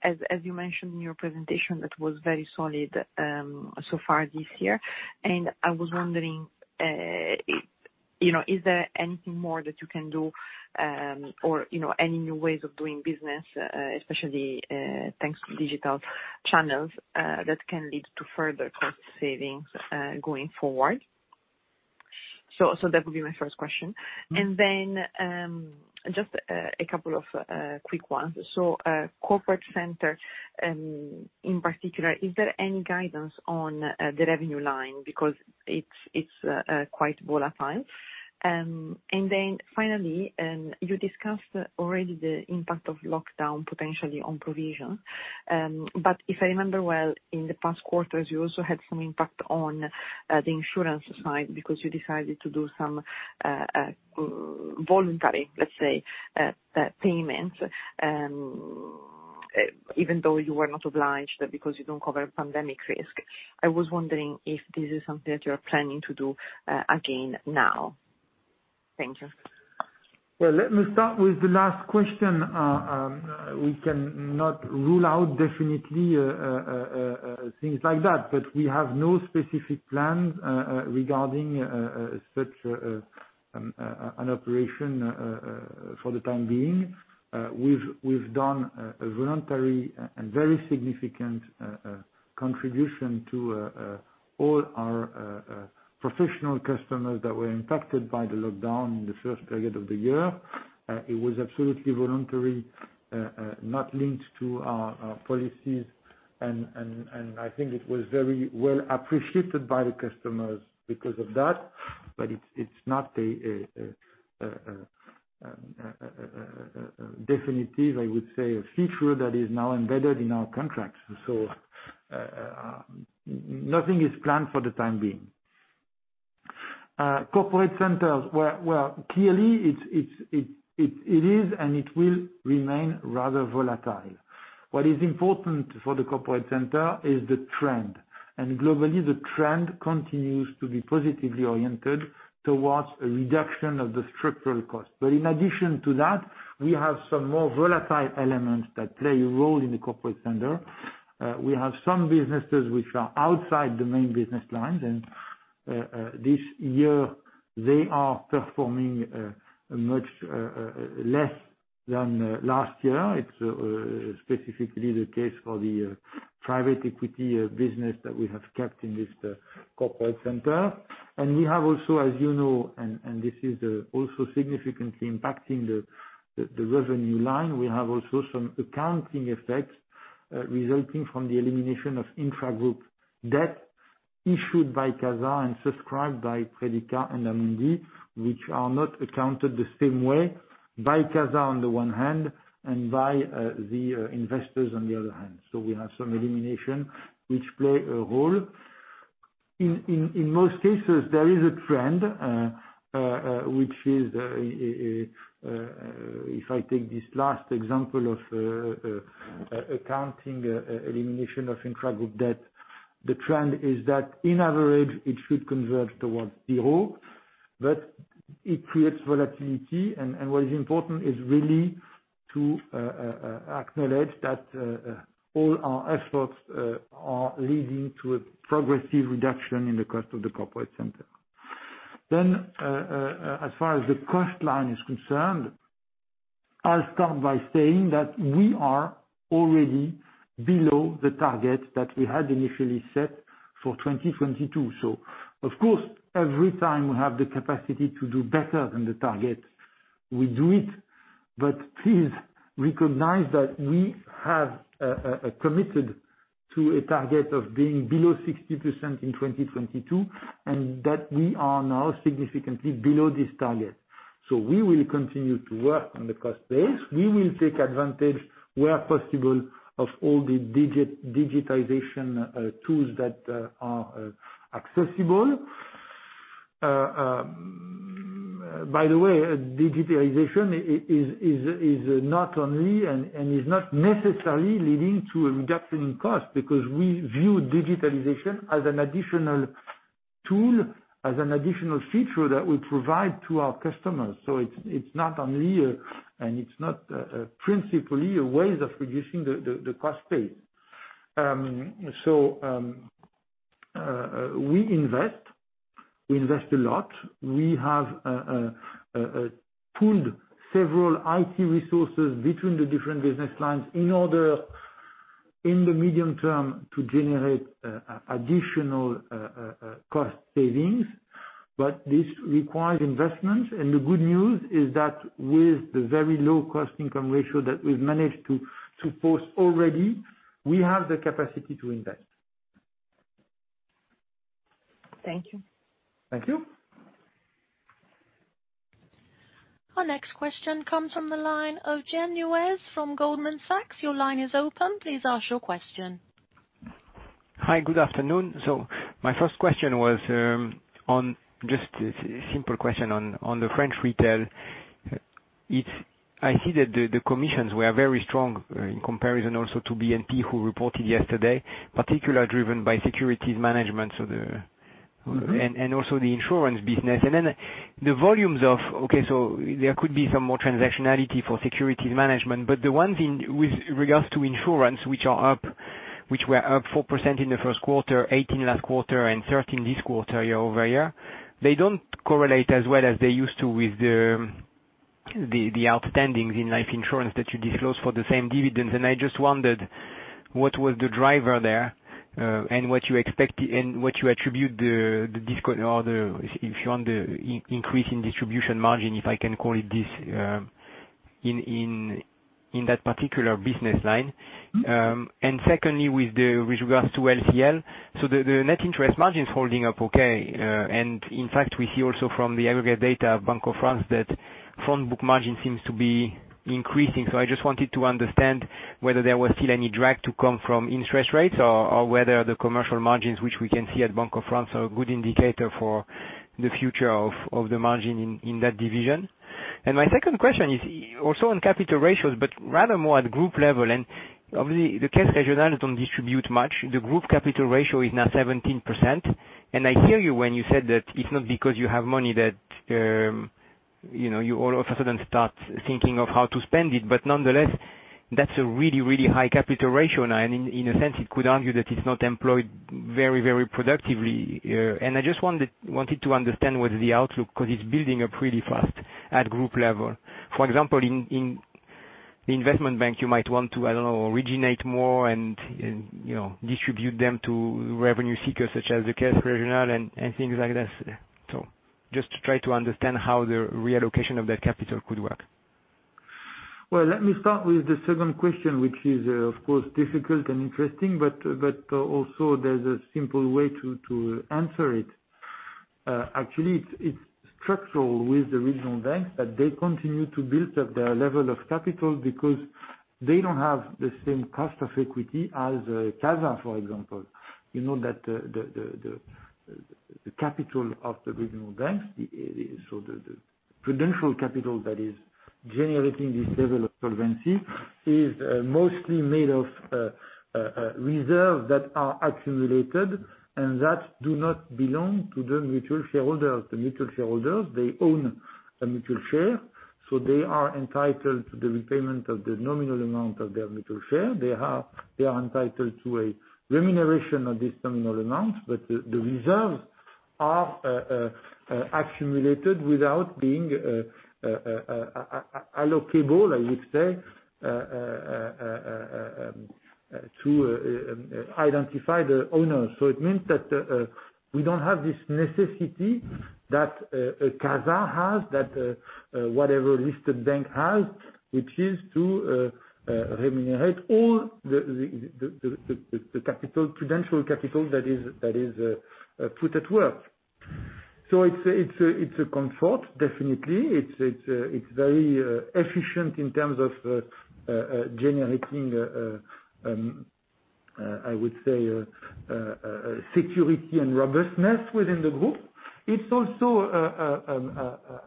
As you mentioned in your presentation, that was very solid so far this year, I was wondering, is there anything more that you can do, or any new ways of doing business, especially thanks to digital channels, that can lead to further cost savings going forward? That would be my first question. Just a couple of quick ones. Corporate Center, in particular, is there any guidance on the revenue line? It's quite volatile. Finally, you discussed already the impact of lockdown potentially on provision. If I remember well, in the past quarters, you also had some impact on the insurance side because you decided to do some voluntary, let's say, payment, even though you were not obliged, because you don't cover pandemic risk. I was wondering if this is something that you are planning to do again now? Thank you. Well, let me start with the last question. We cannot rule out definitely things like that. We have no specific plans regarding such an operation for the time being. We've done a voluntary and very significant contribution to all our professional customers that were impacted by the lockdown in the first period of the year. It was absolutely voluntary, not linked to our policies. I think it was very well appreciated by the customers because of that. It's not a definitive, I would say, a feature that is now embedded in our contracts. Nothing is planned for the time being. Corporate centers, well, clearly it is, and it will remain rather volatile. What is important for the corporate center is the trend. Globally, the trend continues to be positively oriented towards a reduction of the structural cost. In addition to that, we have some more volatile elements that play a role in the corporate center. We have some businesses which are outside the main business lines, and this year they are performing much less than last year. It's specifically the case for the private equity business that we have kept in this corporate center. We have also, as you know, and this is also significantly impacting the revenue line, we have also some accounting effects resulting from the elimination of intragroup debt issued by CASA and subscribed by Crédit Agricole and Amundi, which are not accounted the same way by CASA on the one hand and by the investors on the other hand. We have some elimination which play a role. In most cases, there is a trend, which is, if I take this last example of accounting elimination of intragroup debt, the trend is that in average it should converge towards zero, but it creates volatility. What is important is really to acknowledge that all our efforts are leading to a progressive reduction in the cost of the corporate center. As far as the cost line is concerned, I'll start by saying that we are already below the target that we had initially set for 2022. Of course, every time we have the capacity to do better than the target, we do it. Please recognize that we have committed to a target of being below 60% in 2022, and that we are now significantly below this target. We will continue to work on the cost base. We will take advantage where possible of all the digitization tools that are accessible. By the way, digitalization is not only, and is not necessarily leading to a reduction in cost, because we view digitalization as an additional tool, as an additional feature that we provide to our customers. It's not only, and it's not principally a way of reducing the cost base. We invest a lot. We have pooled several IT resources between the different business lines in order, in the medium term, to generate additional cost savings. This requires investment. The good news is that with the very low cost income ratio that we've managed to post already, we have the capacity to invest. Thank you. Thank you. Our next question comes from the line of Jean Neuez from Goldman Sachs. Your line is open. Please ask your question. Hi, good afternoon. My first question was, just a simple question on the French retail. I see that the commissions were very strong in comparison also to BNP who reported yesterday, particularly driven by securities management, and also the insurance business. There could be some more transactionality for securities management, but the one thing with regards to insurance, which were up 4% in the first quarter, 18% last quarter and 13% this quarter year-over-year, they don't correlate as well as they used to with the outstandings in life insurance that you disclose for the same dividends. I just wondered what was the driver there, and what you attribute the discount or the, if you want, the increase in distribution margin, if I can call it this, in that particular business line. Secondly, with regards to LCL, the net interest margin's holding up okay. In fact, we see also from the aggregate data of Banque de France, that front book margin seems to be increasing. I just wanted to understand whether there was still any drag to come from interest rates or whether the commercial margins, which we can see at Banque de France, are a good indicator for the future of the margin in that division. My second question is also on capital ratios, but rather more at group level. Obviously the Caisses Régionale don't distribute much. The group capital ratio is now 17%. I hear you when you said that it's not because you have money that you all of a sudden start thinking of how to spend it. Nonetheless, that's a really high capital ratio. In a sense, you could argue that it's not employed very productively. I just wanted to understand what's the outlook, because it's building up really fast at group level. For example, in the investment bank, you might want to, I don't know, originate more and distribute them to revenue seekers such as the Caisses Régionale and things like that. Just to try to understand how the reallocation of that capital could work. Well, let me start with the second question, which is, of course, difficult and interesting, but also there is a simple way to answer it. Actually it is structural with the regional banks that they continue to build up their level of capital because they do not have the same cost of equity as CASA, for example. You know that the capital of the regional banks, the prudential capital that is generating this level of solvency, is mostly made of reserves that are accumulated, and that do not belong to the mutual shareholders. The mutual shareholders, they own a mutual share, they are entitled to the repayment of the nominal amount of their mutual share. They are entitled to a remuneration of this nominal amount. The reserves are accumulated without being allocable, I would say, to identify the owner. It means that we don't have this necessity that CASA has, that whatever listed bank has, which is to remunerate all the prudential capital that is put at work. It's a comfort, definitely. It's very efficient in terms of generating, I would say, security and robustness within the group. It's also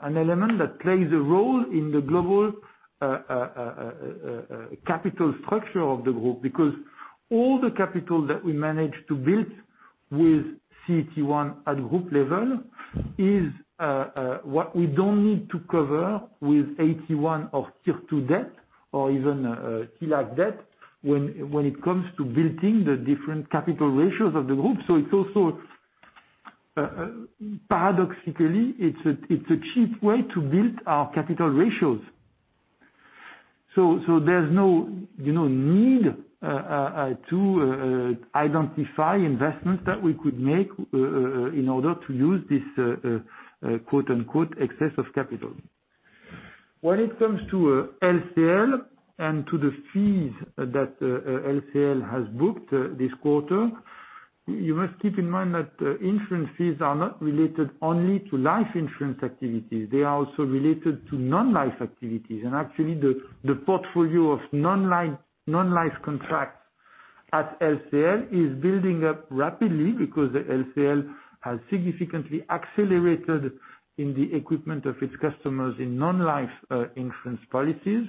an element that plays a role in the global capital structure of the group, because all the capital that we managed to build with CET1 at group level is what we don't need to cover with AT1 or Tier two debt, or even TLAC debt when it comes to building the different capital ratios of the group. Paradoxically, it's a cheap way to build our capital ratios. There's no need to identify investments that we could make in order to use this "excess of capital." When it comes to LCL, and to the fees that LCL has booked this quarter, you must keep in mind that insurance fees are not related only to life insurance activities. They are also related to non-life activities. Actually, the portfolio of non-life contracts at LCL is building up rapidly, because LCL has significantly accelerated in the equipment of its customers in non-life insurance policies.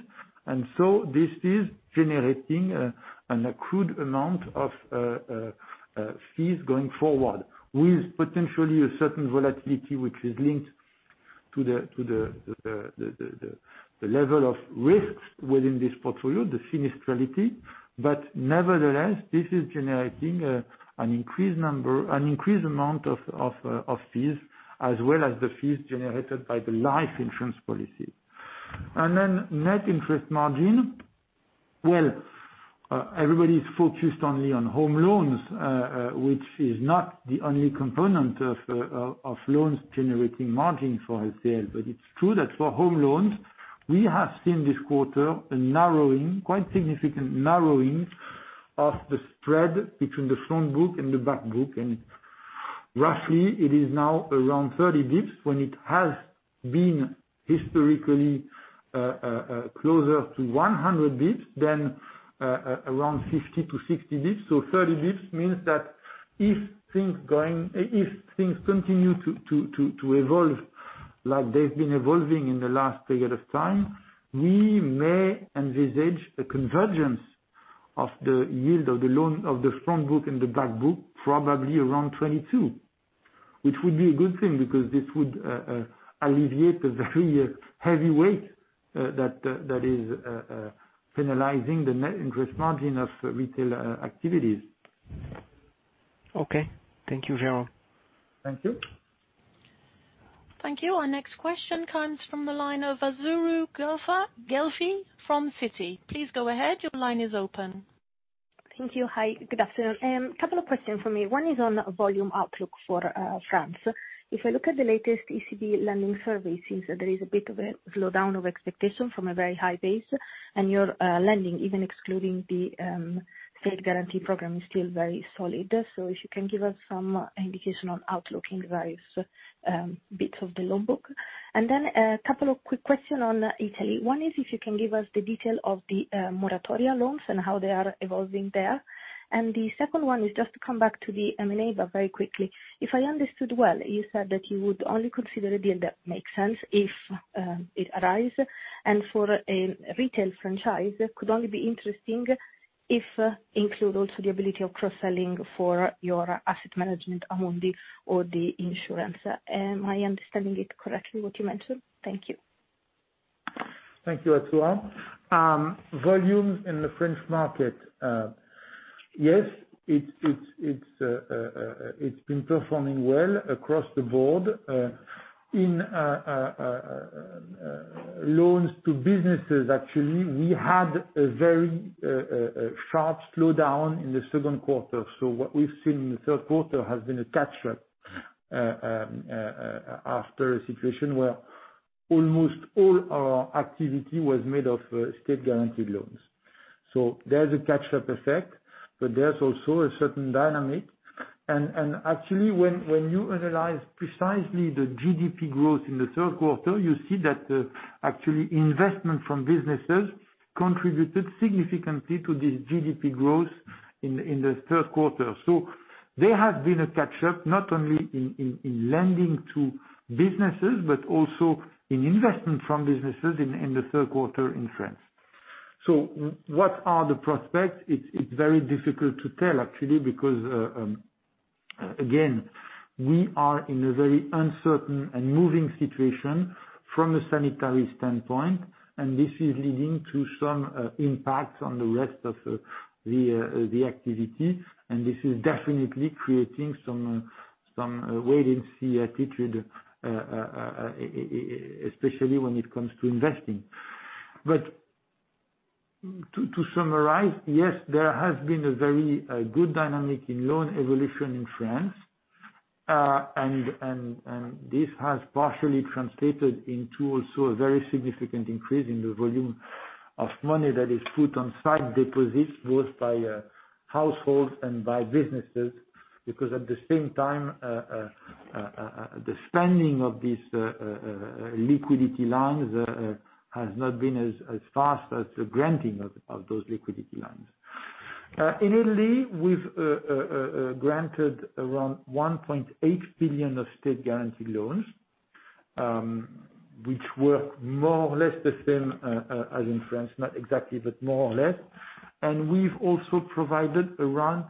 This is generating an accrued amount of fees going forward, with potentially a certain volatility which is linked to the level of risks within this portfolio, the sinistrality. Nevertheless, this is generating an increased amount of fees, as well as the fees generated by the life insurance policy. Net interest margin. Well, everybody's focused only on home loans, which is not the only component of loans generating margin for LCL. It's true that for home loans, we have seen this quarter a narrowing, quite significant narrowing of the spread between the front book and the back book. Roughly, it is now around 30 bps, when it has been historically closer to 100 bps than around 50 bps to 60 bps. 30 bps means that if things continue to evolve like they've been evolving in the last period of time, we may envisage a convergence of the yield of the loan of the front book and the back book probably around 2022. Which would be a good thing, because this would alleviate the very heavy weight that is penalizing the net interest margin of retail activities. Okay. Thank you, Jérôme. Thank you. Thank you. Our next question comes from the line of Azzurra Guelfi from Citi. Thank you. Hi, good afternoon. A couple of questions from me. One is on volume outlook for France. If I look at the latest ECB lending survey, seems that there is a bit of a slowdown of expectation from a very high base. Your lending, even excluding the state guarantee program, is still very solid. If you can give us some indication on outlook in various bits of the loan book. A couple of quick question on Italy. One is if you can give us the detail of the moratoria loans and how they are evolving there. The second one is just to come back to the M&A, but very quickly. If I understood well, you said that you would only consider a deal that makes sense if it arise, and for a retail franchise, could only be interesting if include also the ability of cross-selling for your asset management, Amundi, or the insurance. Am I understanding it correctly what you mentioned? Thank you. Thank you, Azzurra. Volumes in the French market. It's been performing well across the board. In loans to businesses, actually, we had a very sharp slowdown in the second quarter. What we've seen in the third quarter has been a catch-up after a situation where almost all our activity was made of state-guaranteed loans. There's a catch-up effect, but there's also a certain dynamic. Actually, when you analyze precisely the GDP growth in the third quarter, you see that actually investment from businesses contributed significantly to the GDP growth in the third quarter. There has been a catch-up not only in lending to businesses, but also in investment from businesses in the third quarter in France. What are the prospects? It's very difficult to tell actually because, again, we are in a very uncertain and moving situation from a sanitary standpoint, and this is leading to some impacts on the rest of the activity, and this is definitely creating some wait-and-see attitude, especially when it comes to investing. To summarize, yes, there has been a very good dynamic in loan evolution in France. This has partially translated into also a very significant increase in the volume of money that is put on site deposits, both by households and by businesses, because at the same time, the spending of these liquidity lines has not been as fast as the granting of those liquidity lines. In Italy, we've granted around 1.8 billion of state-guaranteed loans, which were more or less the same as in France. Not exactly, but more or less. We've also provided around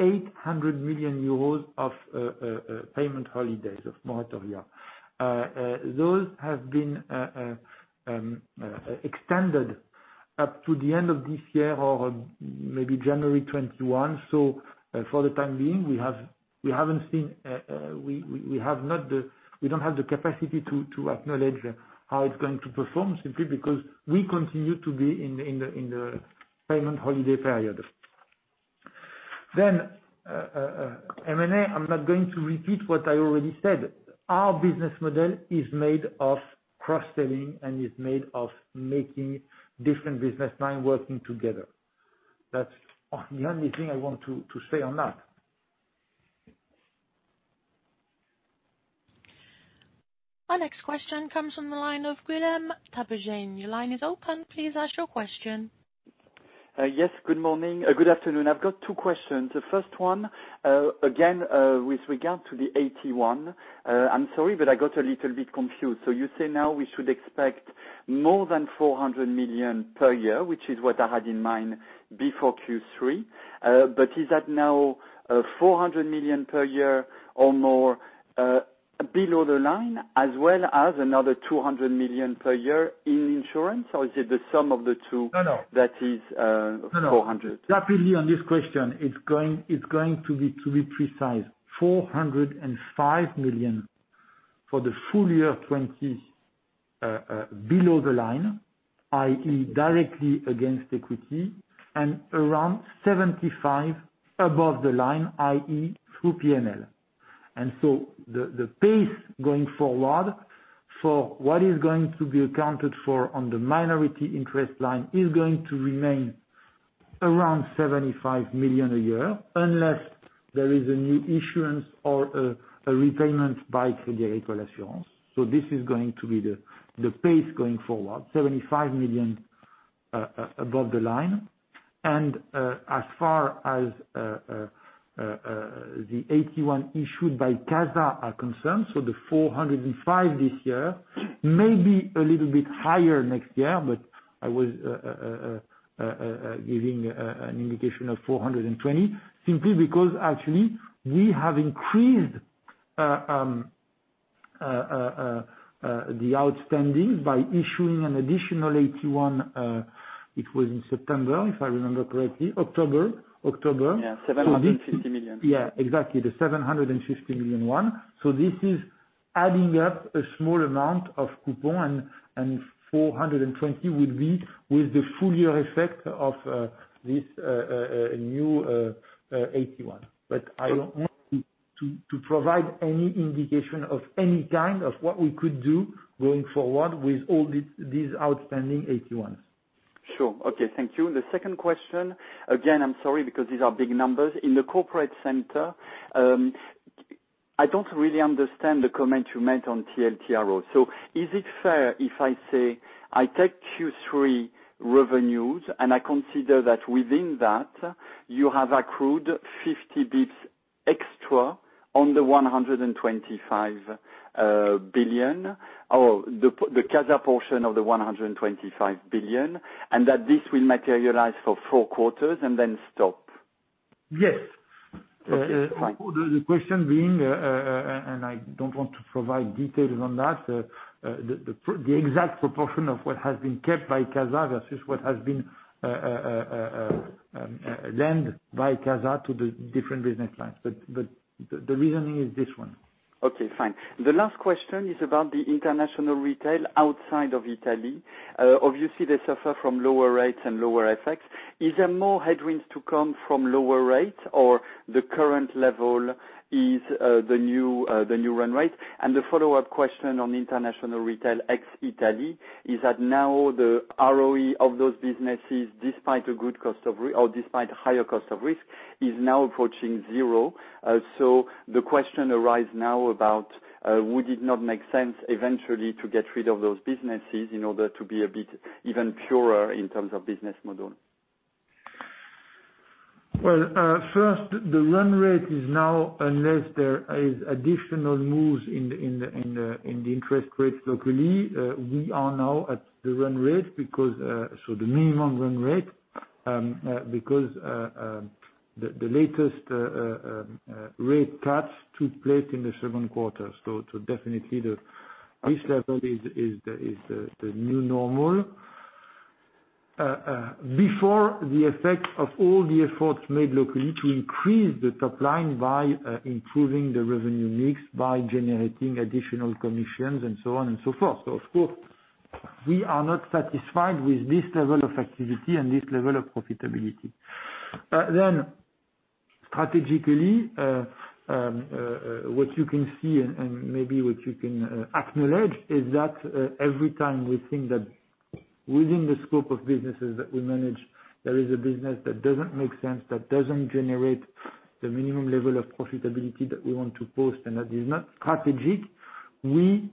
800 million euros of payment holidays, of moratoria. Those have been extended up to the end of this year or maybe January 2021. For the time being, we don't have the capacity to acknowledge how it's going to perform simply because we continue to be in the payment holiday period. M&A, I'm not going to repeat what I already said. Our business model is made of cross-selling and is made of making different business line working together. That's the only thing I want to say on that. Our next question comes from the line of Guillaume Tiberghien. Your line is open. Please ask your question. Yes, good morning. Good afternoon. I've got two questions. The first one, again, with regard to the AT1. I'm sorry, but I got a little bit confused. You say now we should expect more than 400 million per year, which is what I had in mind before Q3. Is that now 400 million per year or more below the line as well as another 200 million per year in insurance? Is it the sum of the two? No, no. that is 400? No, rapidly on this question, it is going to be precise, 405 million for the full year 2020 below the line, i.e., directly against equity, and around 75 above the line, i.e., through P&L. The pace going forward for what is going to be accounted for on the minority interest line is going to remain around 75 million a year, unless there is a new issuance or a repayment by Crédit Agricole Assurance. This is going to be the pace going forward, 75 million above the line. As far as the AT1 issued by CASA are concerned, the 405 this year, may be a little bit higher next year, but I was giving an indication of 420, simply because actually we have increased the outstanding by issuing an additional AT1. It was in September, if I remember correctly. October. Yeah, 750 million. Yeah, exactly. The 750 million one. This is adding up a small amount of coupon, and 420 will be with the full year effect of this new AT1. I don't want to provide any indication of any kind of what we could do going forward with all these outstanding AT1s. Sure. Okay. Thank you. The second question, again, I'm sorry because these are big numbers. In the Corporate Center, I don't really understand the comment you made on TLTRO. Is it fair if I say I take Q3 revenues, and I consider that within that, you have accrued 50 basis points extra on the 125 billion, or the CASA portion of the 125 billion, and that this will materialize for four quarters and then stop? Yes. Okay, fine. The question being, and I don't want to provide details on that, the exact proportion of what has been kept by CASA versus what has been lent by CASA to the different business lines. The reasoning is this one. Okay, fine. The last question is about the international retail outside of Italy. Obviously, they suffer from lower rates and lower FX. Is there more headwinds to come from lower rates, or the current level is the new run rate? The follow-up question on international retail ex-Italy is that now the ROE of those businesses, despite higher cost of risk, is now approaching zero. The question arise now about would it not make sense eventually to get rid of those businesses in order to be a bit even purer in terms of business model? Well, first, the run rate is now, unless there is additional moves in the interest rates locally, we are now at the run rate, so the minimum run rate, because the latest rate cuts took place in the second quarter. Definitely this level is the new normal. Before the effect of all the efforts made locally to increase the top line by improving the revenue mix, by generating additional commissions, and so on and so forth. Of course, we are not satisfied with this level of activity and this level of profitability. Strategically, what you can see and maybe what you can acknowledge is that every time we think that within the scope of businesses that we manage, there is a business that doesn't make sense, that doesn't generate the minimum level of profitability that we want to post, and that is not strategic, we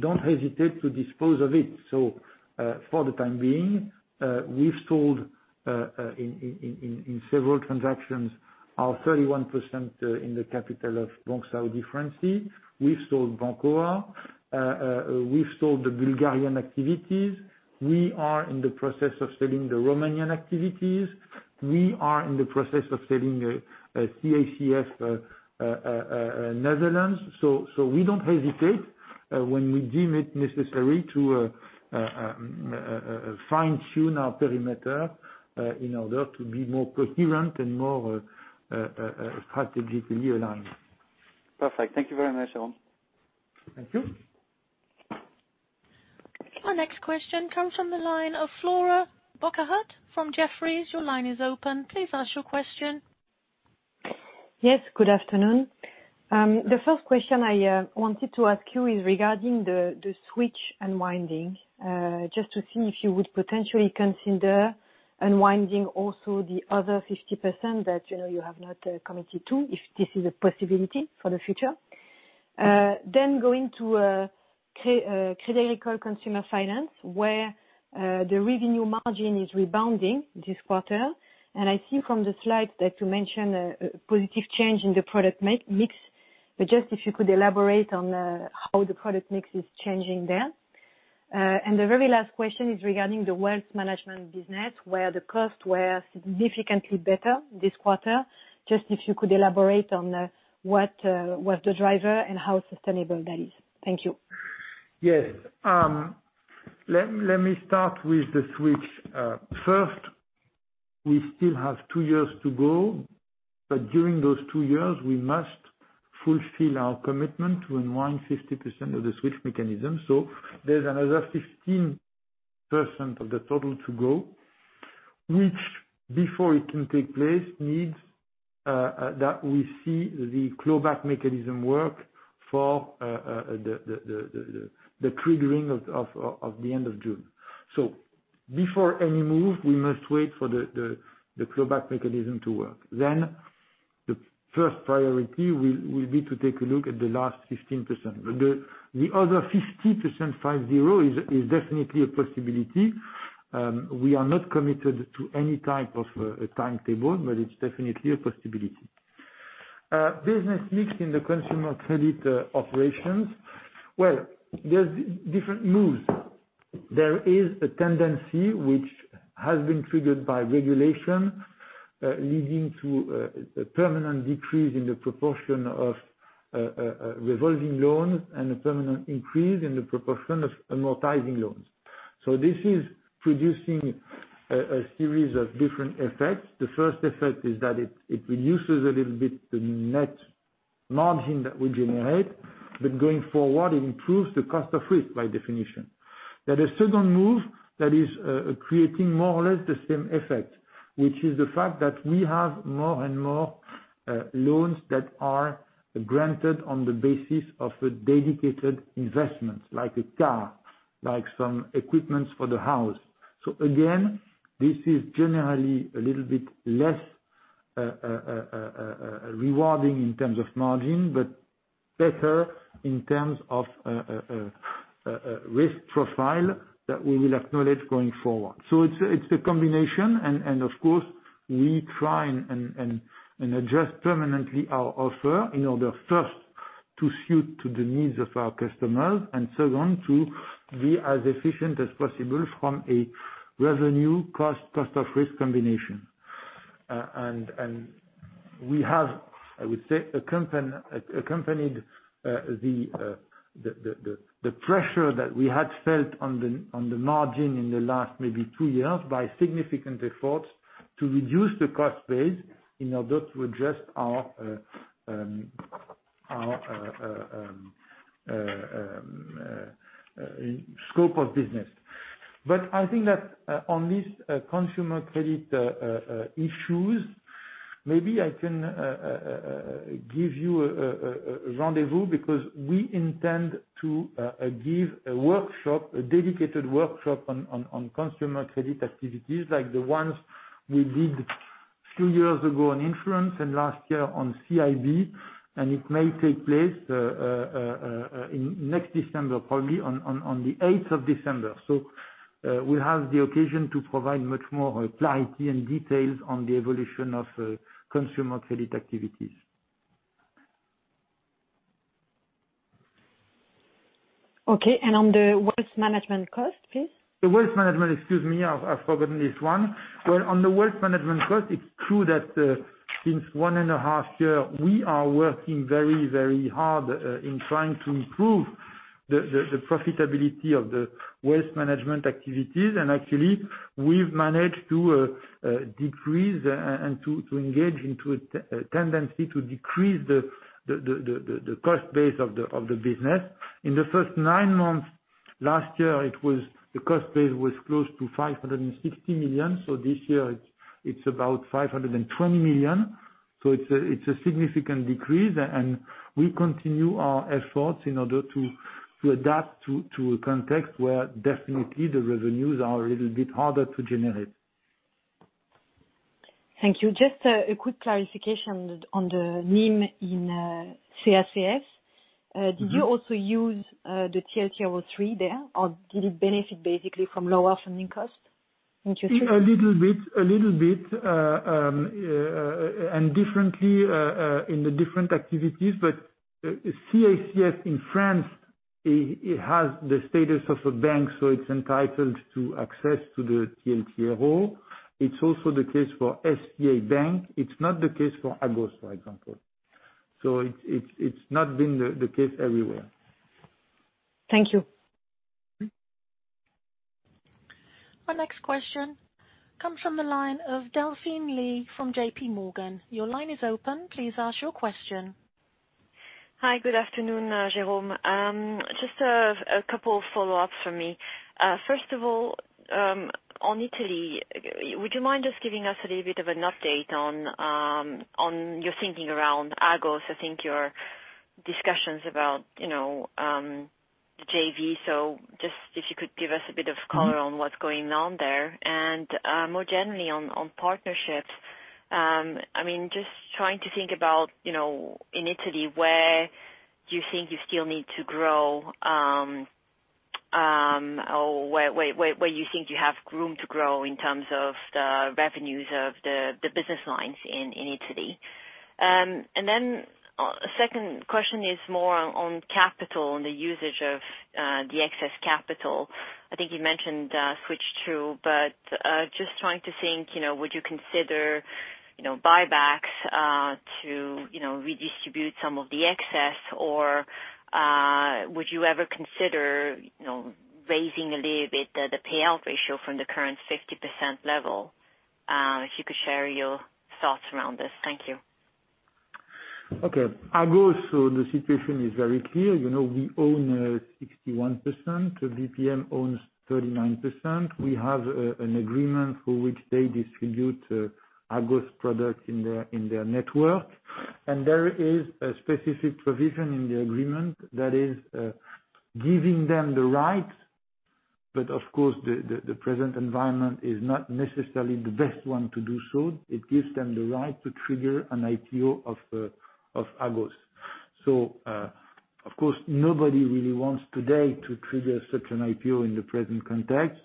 don't hesitate to dispose of it. For the time being, we've sold, in several transactions, our 31% in the capital of Banque Saudi Fransi. We've sold Bankoa. We've sold the Bulgarian activities. We are in the process of selling the Romanian activities. We are in the process of selling CACF Netherlands. We don't hesitate, when we deem it necessary to fine-tune our perimeter, in order to be more coherent and more strategically aligned. Perfect. Thank you very much, Jérôme. Thank you. Our next question comes from the line of Flora Bocahut from Jefferies. Your line is open. Please ask your question. Yes, good afternoon. The first question I wanted to ask you is regarding the Switch unwinding. Just to see if you would potentially consider unwinding also the other 50% that you have not committed to, if this is a possibility for the future. Going to Crédit Agricole Consumer Finance, where the revenue margin is rebounding this quarter. I think from the slide that you mentioned, a positive change in the product mix. Just if you could elaborate on how the product mix is changing there. The very last question is regarding the wealth management business, where the costs were significantly better this quarter. Just if you could elaborate on what was the driver and how sustainable that is. Thank you. Yes. Let me start with the Switch. First, we still have two years to go, but during those two years, we must fulfill our commitment to unwind 50% of the Switch mechanism. There's another 15% of the total to go, which before it can take place, needs that we see the clawback mechanism work for the triggering of the end of June. Before any move, we must wait for the clawback mechanism to work. The first priority will be to take a look at the last 15%. The other 50%, five, zero, is definitely a possibility. We are not committed to any type of timetable, but it's definitely a possibility. Business mix in the consumer credit operations. Well, there's different moves. There is a tendency, which has been triggered by regulation, leading to a permanent decrease in the proportion of revolving loans and a permanent increase in the proportion of amortizing loans. This is producing a series of different effects. The first effect is that it reduces a little bit the net margin that we generate, but going forward, it improves the cost of risk, by definition. There's a second move that is creating more or less the same effect, which is the fact that we have more and more loans that are granted on the basis of a dedicated investment, like a car, like some equipments for the house. Again, this is generally a little bit less rewarding in terms of margin, but better in terms of risk profile that we will acknowledge going forward. It's a combination, and of course, we try and adjust permanently our offer in order, first, to suit to the needs of our customers, and second, to be as efficient as possible from a revenue cost of risk combination. We have, I would say, accompanied the pressure that we had felt on the margin in the last maybe two years by significant efforts to reduce the cost base in order to adjust our scope of business. I think that on these consumer credit issues, maybe I can give you a rendezvous because we intend to give a workshop, a dedicated workshop, on consumer credit activities like the ones we did few years ago on insurance and last year on CIB, and it may take place next December, probably on the eighth of December. We'll have the occasion to provide much more clarity and details on the evolution of consumer credit activities. Okay. On the wealth management cost, please. The wealth management, excuse me, I've forgotten this one. Well, on the wealth management cost, it's true that, since one and a half year, we are working very, very hard in trying to improve the profitability of the wealth management activities. Actually, we've managed to decrease and to engage into a tendency to decrease the cost base of the business. In the first nine months last year, the cost base was close to 560 million. This year it's about 520 million. It's a significant decrease, and we continue our efforts in order to adapt to a context where definitely the revenues are a little bit harder to generate. Thank you. Just a quick clarification on the NIM in CACF. Did you also use the TLTRO III there, or did it benefit basically from lower funding costs? Interesting. A little bit. Differently in the different activities, CACF in France, it has the status of a bank, so it's entitled to access to the TLTRO. It's also the case for FCA Bank. It's not the case for Agos, for example. It's not been the case everywhere. Thank you. Our next question comes from the line of Delphine Lee from JPMorgan. Your line is open, please ask your question. Hi. Good afternoon, Jérôme. Just a couple follow-ups from me. First of all, on Italy, would you mind just giving us a little bit of an update on your thinking around Agos? I think your discussions about JV, just if you could give us a bit of color. on what's going on there. More generally on partnerships, just trying to think about in Italy, where you think you still need to grow, or where you think you have room to grow in terms of the revenues of the business lines in Italy. A second question is more on capital and the usage of the excess capital. I think you mentioned Switch, but just trying to think, would you consider buybacks to redistribute some of the excess? Would you ever consider raising a little bit the payout ratio from the current 50% level? If you could share your thoughts around this. Thank you. Okay. Agos, the situation is very clear. We own 61%, BPM owns 39%. We have an agreement through which they distribute Agos products in their network. There is a specific provision in the agreement that is giving them the right, but of course, the present environment is not necessarily the best one to do so. It gives them the right to trigger an IPO of Agos. Of course, nobody really wants today to trigger such an IPO in the present context.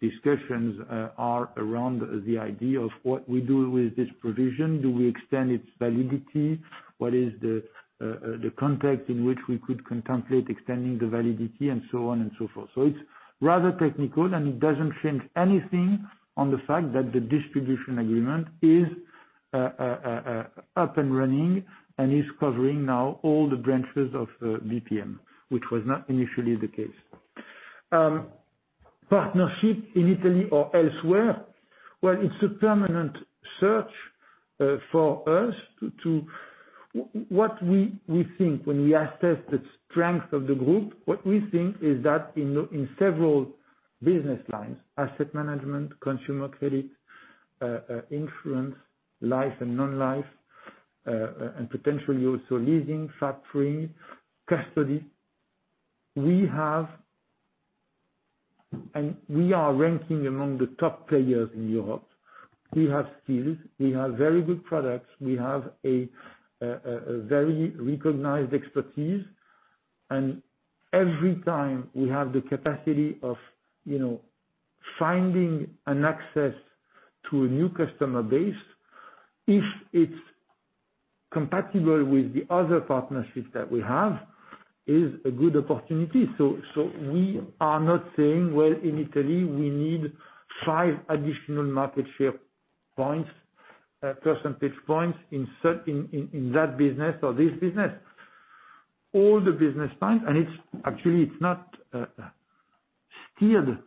Discussions are around the idea of what we do with this provision. Do we extend its validity? What is the context in which we could contemplate extending the validity and so on and so forth. It's rather technical, and it doesn't change anything on the fact that the distribution agreement is up and running and is covering now all the branches of BPM, which was not initially the case. Partnership in Italy or elsewhere, well, when we assess the strength of the group, we think that in several business lines, asset management, consumer credit, insurance, life and non-life, and potentially also leasing, factoring, custody. We are ranking among the top players in Europe. We have skills, we have very good products. We have a very recognized expertise. Every time we have the capacity of finding an access to a new customer base, if it's compatible with the other partnerships that we have, it's a good opportunity. We are not saying, well, in Italy we need five additional market share percentage points in that business or this business. All the business lines, and actually it's not steered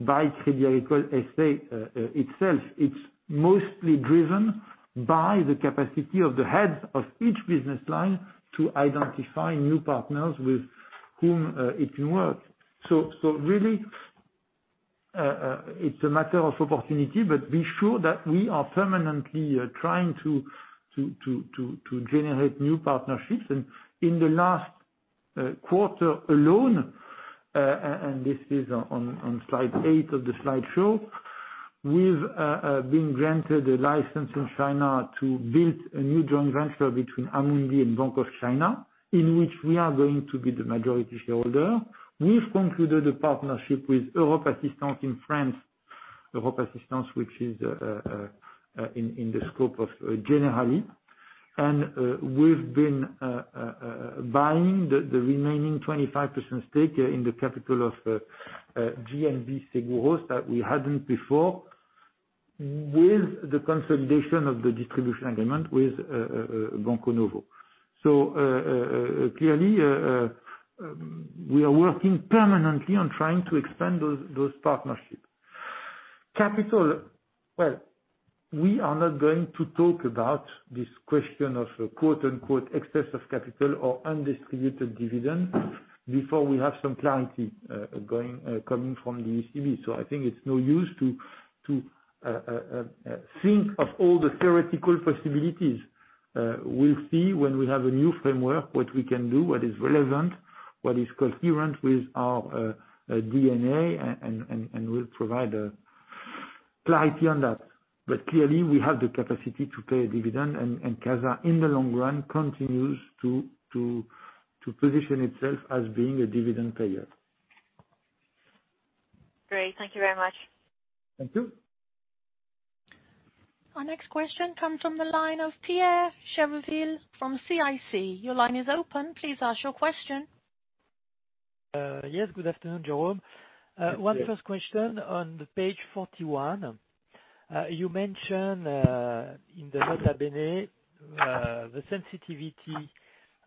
by Crédit Agricole SA itself. It's mostly driven by the capacity of the heads of each business line to identify new partners with whom it can work. Really, it's a matter of opportunity, but be sure that we are permanently trying to generate new partnerships, and in the last. This quarter alone, and this is on slide eight of the slideshow. We've been granted a license in China to build a new joint venture between Amundi and Bank of China, in which we are going to be the majority shareholder. We've concluded a partnership with Europ Assistance in France, Europ Assistance, which is in the scope of Generali. We've been buying the remaining 25% stake in the capital of GNB Seguros that we hadn't before, with the consolidation of the distribution agreement with Banco Novo. Clearly, we are working permanently on trying to expand those partnerships. Capital. We are not going to talk about this question of "excess of capital" or undistributed dividend, before we have some clarity coming from the ECB. I think it's no use to think of all the theoretical possibilities. We'll see when we have a new framework, what we can do, what is relevant, what is coherent with our DNA, and we'll provide a clarity on that. Clearly, we have the capacity to pay a dividend, and CASA, in the long run, continues to position itself as being a dividend payer. Great. Thank you very much. Thank you. Our next question comes from the line of Pierre Chedeville from CIC. Yes. Good afternoon, Jérôme. Yes. One first question on page 41. You mentioned, in the nota bene, the sensitivity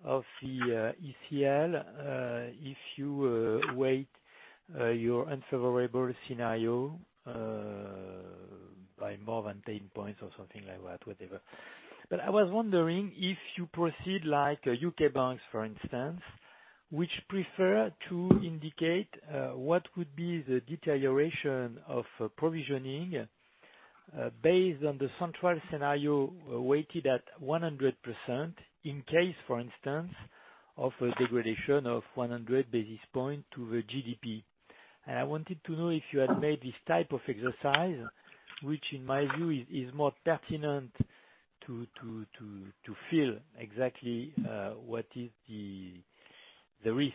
of the ECL, if you weight your unfavorable scenario by more than 10 points or something like that, whatever. I was wondering if you proceed like U.K. banks, for instance, which prefer to indicate what would be the deterioration of provisioning based on the central scenario weighted at 100%, in case, for instance, of a degradation of 100 basis points to the GDP. I wanted to know if you had made this type of exercise, which in my view, is more pertinent to feel exactly what is the risk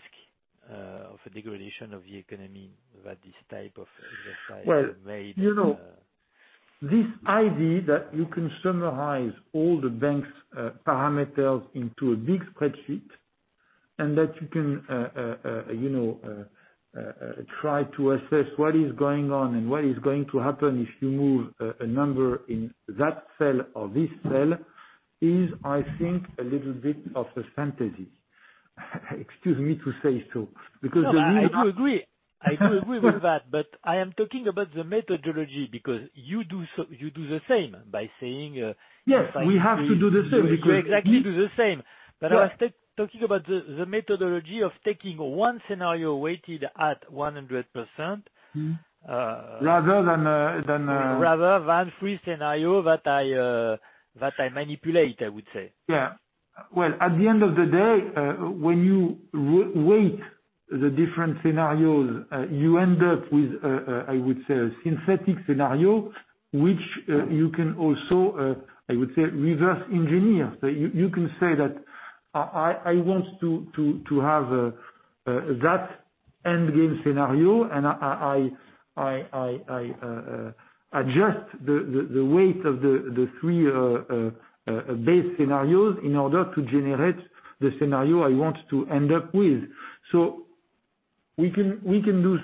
of a degradation of the economy that this type of exercise. Well, this idea that you can summarize all the bank's parameters into a big spreadsheet, and that you can try to assess what is going on and what is going to happen if you move a number in that cell or this cell, is, I think, a little bit of a fantasy. Excuse me to say so. No, I do agree. I do agree with that. I am talking about the methodology because you do the same by saying. Yes. We have to do the same because. You exactly do the same. I was talking about the methodology of taking one scenario weighted at 100%. Mm-hmm. Rather than Rather than three scenario that I manipulate, I would say. Well, at the end of the day, when you weight the different scenarios, you end up with, I would say, a synthetic scenario, which you can also, I would say, reverse engineer. You can say that I want to have that end game scenario, and I adjust the weight of the three base scenarios in order to generate the scenario I want to end up with. We can do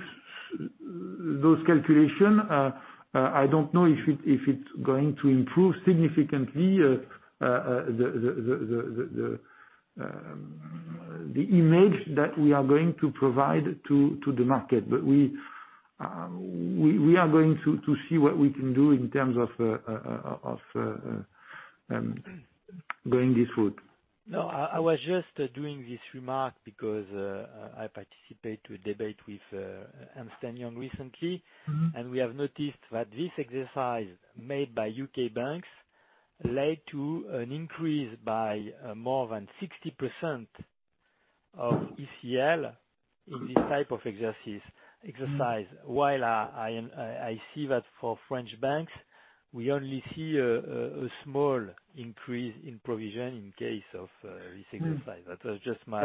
those calculation. I don't know if it's going to improve significantly, the image that we are going to provide to the market. We are going to see what we can do in terms of going this route. No, I was just doing this remark because I participate to a debate with Ernst & Young recently. We have noticed that this exercise made by U.K. banks led to an increase by more than 60% of ECL in this type of exercise. While I see that for French banks, we only see a small increase in provision in case of this exercise. That was just my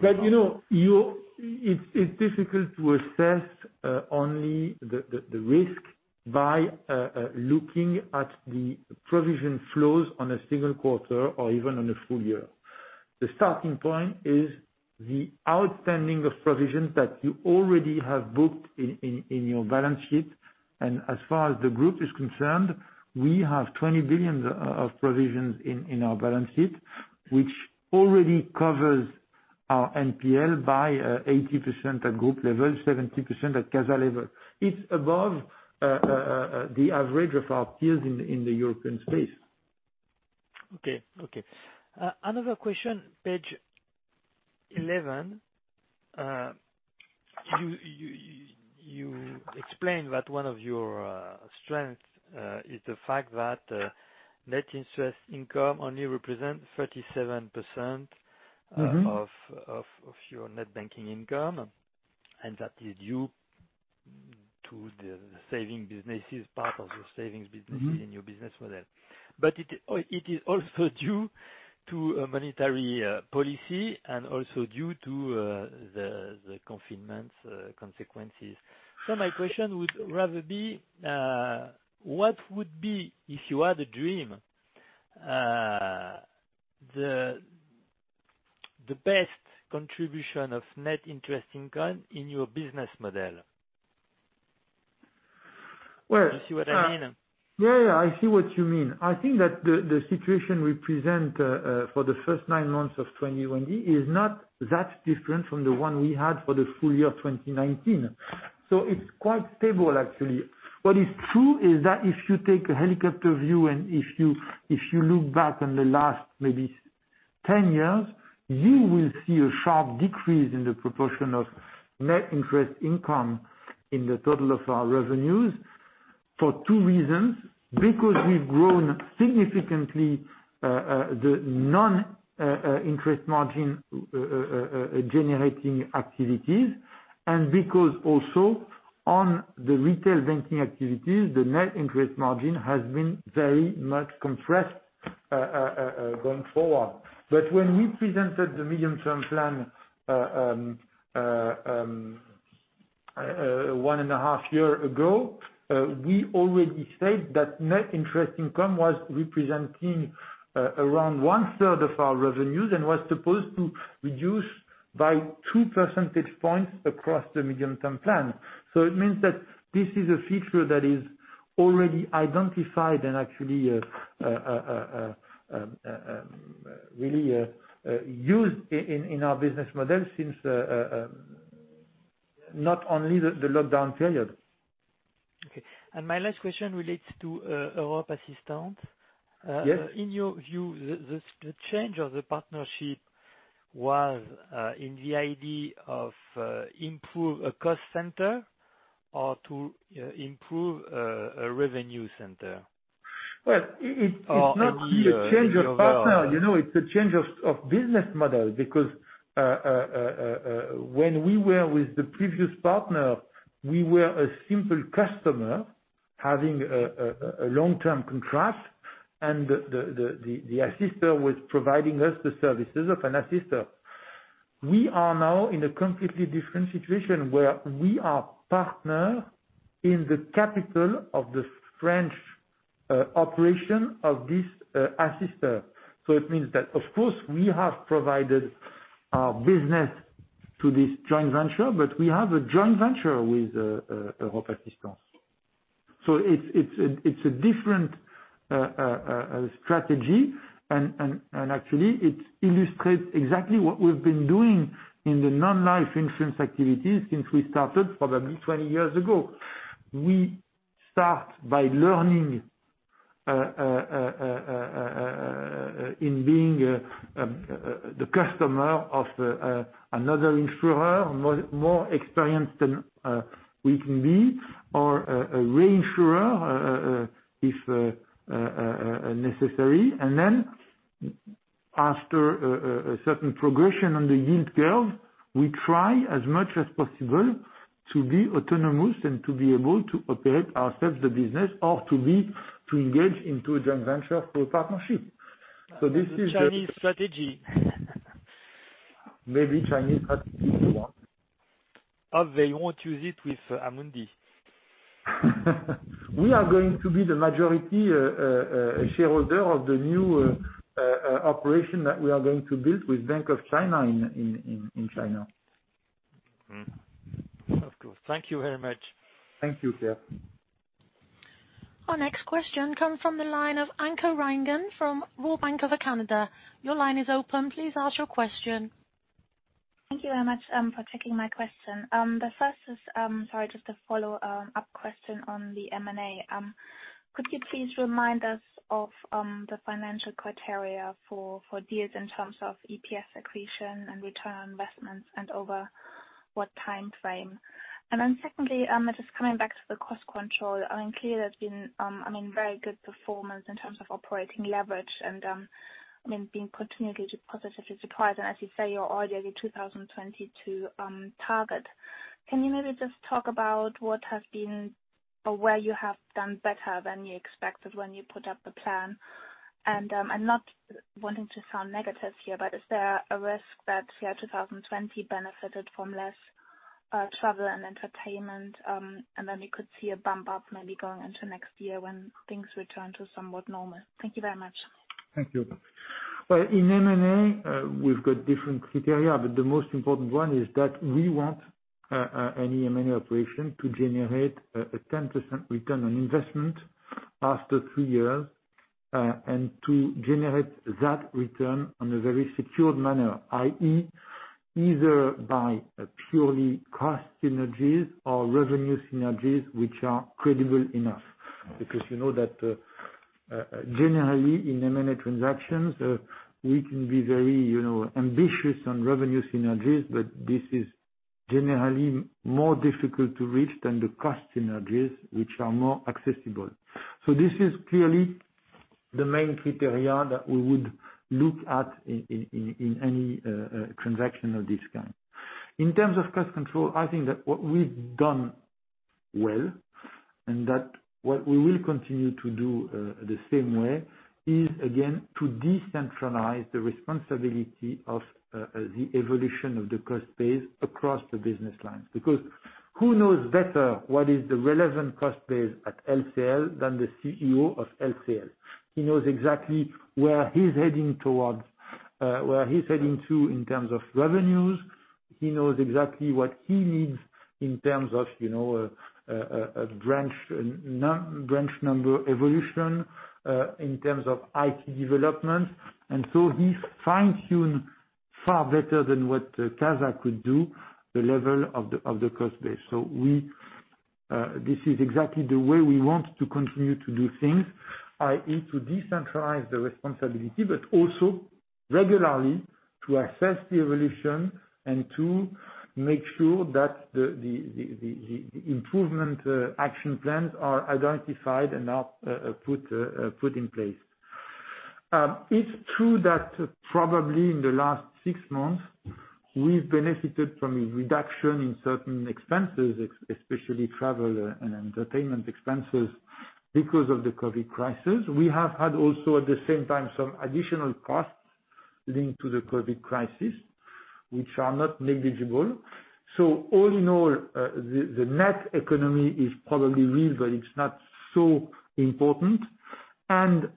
remark. It's difficult to assess only the risk by looking at the provision flows on a single quarter or even on a full year. The starting point is the outstanding of provisions that you already have booked in your balance sheet. As far as the group is concerned, we have 20 billion of provisions in our balance sheet, which already covers our NPL by 80% at group level, 70% at CASA level. It's above the average of our peers in the European space. Okay. Another question, page 11. You explained that one of your strengths is the fact that net interest income only represents 37% of your net banking income. That is due to the savings businesses, part of your savings businesses in your business model. It is also due to monetary policy and also due to the confinement consequences. My question would rather be, what would be, if you had a dream, the best contribution of net interest income in your business model? Well- You see what I mean? Yeah, I see what you mean. I think that the situation we present for the first nine months of 2020 is not that different from the one we had for the full year 2019. It's quite stable, actually. What is true is that if you take a helicopter view, and if you look back on the last maybe 10 years, you will see a sharp decrease in the proportion of net interest income in the total of our revenues for two reasons. Because we've grown significantly, the non-interest margin generating activities, and because also on the retail banking activities, the net interest margin has been very much compressed going forward. When we presented the medium-term plan one and a half year ago, we already said that net interest income was representing around one-third of our revenues and was supposed to reduce by two percentage points across the medium-term plan. It means that this is a feature that is already identified and actually, really, used in our business model since not only the lockdown period. Okay. My last question relates to Europ Assistance. Yes. In your view, the change of the partnership was in the idea of improve a cost center or to improve a revenue center? Well, it's not really a change of partner. It's a change of business model because when we were with the previous partner, we were a simple customer having a long-term contract, and the assistant was providing us the services of an assistant. We are now in a completely different situation where we are partner in the capital of the French operation of this assistant. It means that, of course, we have provided our business to this joint venture, but we have a joint venture with Europ Assistance. It's a different strategy, and actually, it illustrates exactly what we've been doing in the non-life insurance activities since we started, probably 20 years ago. We start by learning in being the customer of another insurer, more experienced than we can be, or a reinsurer, if necessary. After a certain progression on the yield curve, we try as much as possible to be autonomous and to be able to operate ourselves the business or to engage into a joint venture through a partnership. Chinese strategy. Maybe Chinese strategy as well. They won't use it with Amundi. We are going to be the majority shareholder of the new operation that we are going to build with Bank of China in China. Of course. Thank you very much. Thank you, Pierre. Our next question comes from the line of Anke Reingen from Royal Bank of Canada. Your line is open. Please ask your question. Thank you very much for taking my question. The first is, sorry, just a follow-up question on the M&A. Could you please remind us of the financial criteria for deals in terms of EPS accretion and return on investments, and over what time frame? Then secondly, just coming back to the cost control. Clearly, there's been very good performance in terms of operating leverage and being continually positive surprise. As you say, you're already at your 2022 target. Can you maybe just talk about what has been, or where you have done better than you expected when you put up the plan? I'm not wanting to sound negative here, but is there a risk that 2020 benefited from less travel and entertainment, and then we could see a bump up maybe going into next year when things return to somewhat normal? Thank you very much. Thank you. Well, in M&A, we've got different criteria, but the most important one is that we want any M&A operation to generate a 10% return on investment after three years, and to generate that return in a very secured manner, i.e., either by purely cost synergies or revenue synergies, which are credible enough, because you know that generally, in M&A transactions, we can be very ambitious on revenue synergies. This is generally more difficult to reach than the cost synergies, which are more accessible. This is clearly the main criteria that we would look at in any transaction of this kind. In terms of cost control, I think that what we've done well, and that what we will continue to do the same way, is again, to decentralize the responsibility of the evolution of the cost base across the business lines. Because who knows better what is the relevant cost base at LCL than the CEO of LCL? He knows exactly where he's heading too, in terms of revenues. He knows exactly what he needs in terms of branch number evolution, in terms of IT development. He fine-tune far better than what CASA could do, the level of the cost base. This is exactly the way we want to continue to do things, i.e., to decentralize the responsibility, but also regularly to assess the evolution and to make sure that the improvement action plans are identified and are put in place. It's true that probably in the last six months, we've benefited from a reduction in certain expenses, especially travel and entertainment expenses, because of the COVID crisis. We have had also, at the same time, some additional costs linked to the COVID crisis, which are not negligible. All in all, the net economy is probably real, but it's not so important. It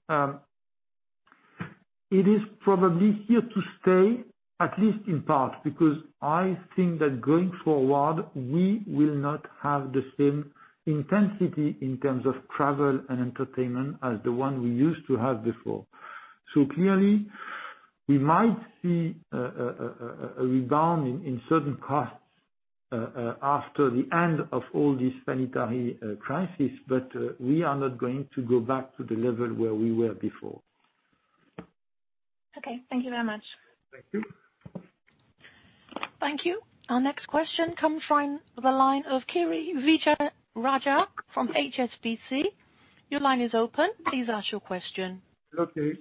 is probably here to stay, at least in part, because I think that going forward, we will not have the same intensity in terms of travel and entertainment as the one we used to have before. Clearly, we might see a rebound in certain costs after the end of all this sanitary crisis, but we are not going to go back to the level where we were before. Okay. Thank you very much. Thank you. Thank you. Our next question comes from the line of Kiri Vijayarajah from HSBC. Your line is open. Please ask your question. Hello, team.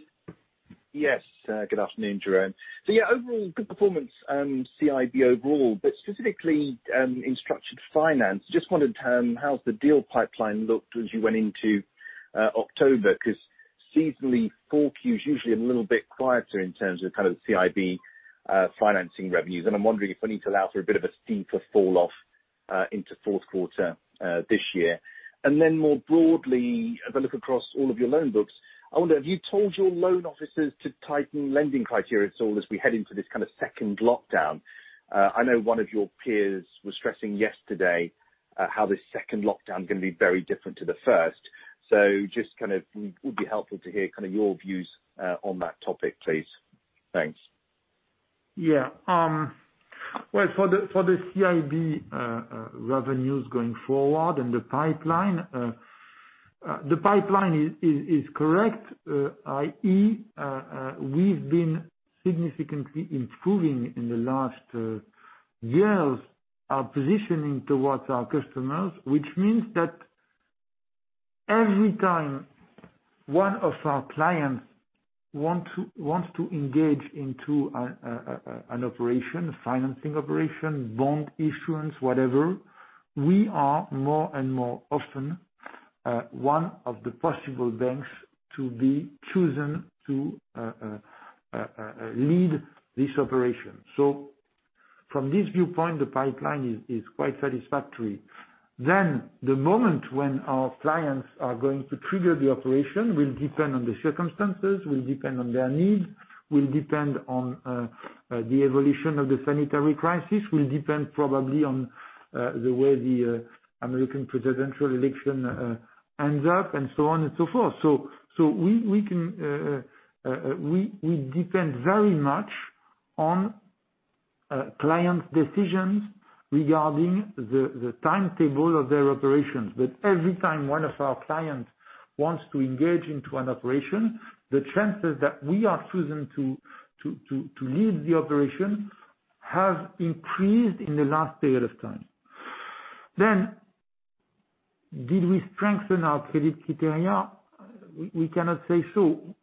Yes. Good afternoon, Jérôme. Yeah, overall, good performance CIB overall, but specifically, in structured finance, just wondered how the deal pipeline looked as you went into October, because seasonally, Q4 is usually a bit quieter in terms of CIB financing revenues. I'm wondering if we need to allow for a bit of a steeper falloff into fourth quarter this year. More broadly, as I look across all of your loan books, I wonder, have you told your loan officers to tighten lending criteria at all as we head into this second lockdown? I know one of your peers was stressing yesterday how this second lockdown is going to be very different to the first. Just kind of would be helpful to hear your views on that topic, please. Thanks. Yeah. Well, for the CIB revenues going forward and the pipeline. The pipeline is correct, i.e., we've been significantly improving in the last years, our positioning towards our customers, which means that every time one of our clients wants to engage into an operation, a financing operation, bond issuance, whatever, we are more and more often one of the possible banks to be chosen to lead this operation. From this viewpoint, the pipeline is quite satisfactory. The moment when our clients are going to trigger the operation will depend on the circumstances, will depend on their needs, will depend on the evolution of the sanitary crisis, will depend probably on the way the American presidential election ends up, and so on and so forth. We depend very much on clients' decisions regarding the timetable of their operations. Every time one of our clients wants to engage into an operation, the chances that we are chosen to lead the operation have increased in the last period of time. Did we strengthen our credit criteria? We cannot say so.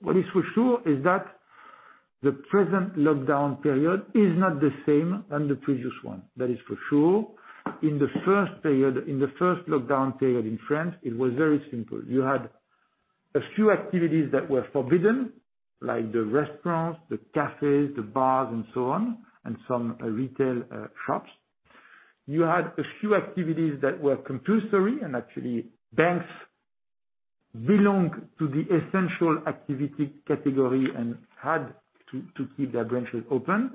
What is for sure is that the present lockdown period is not the same as the previous one. That is for sure. In the first lockdown period in France, it was very simple. You had a few activities that were forbidden, like the restaurants, the cafes, the bars, and so on, and some retail shops. You had a few activities that were compulsory, and actually, banks belong to the essential activity category and had to keep their branches open.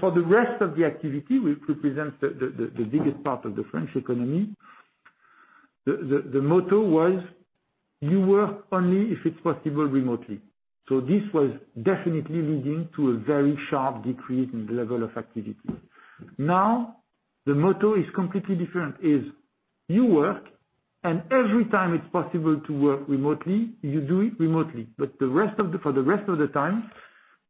For the rest of the activity, which represent the biggest part of the French economy, the motto was, you work only if it's possible remotely. This was definitely leading to a very sharp decrease in the level of activity. The motto is completely different, is you work, and every time it's possible to work remotely, you do it remotely. For the rest of the time,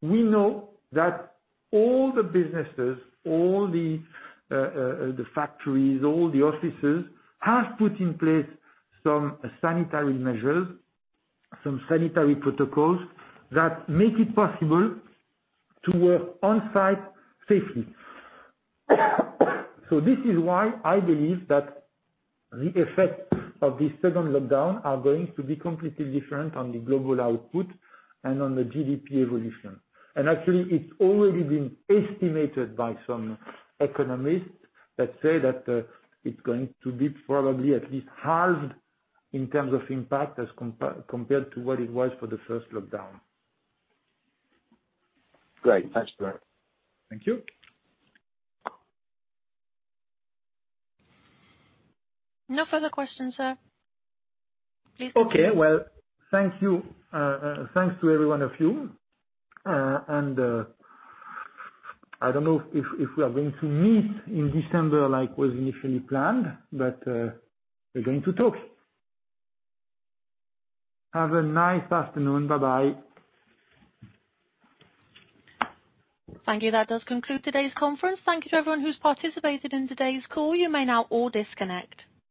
we know that all the businesses, all the factories, all the offices have put in place some sanitary measures, some sanitary protocols that make it possible to work on-site safely. This is why I believe that the effects of this second lockdown are going to be completely different on the global output and on the GDP evolution. Actually, it's already been estimated by some economists that say that it's going to be probably at least halved in terms of impact as compared to what it was for the first lockdown. Great. Thanks, Jérôme. Thank you. No further questions, sir. Please continue. Okay. Well, thanks to every one of you. I don't know if we are going to meet in December like was initially planned, but we're going to talk. Have a nice afternoon. Bye-bye. Thank you. That does conclude today's conference. Thank you to everyone who's participated in today's call. You may now all disconnect.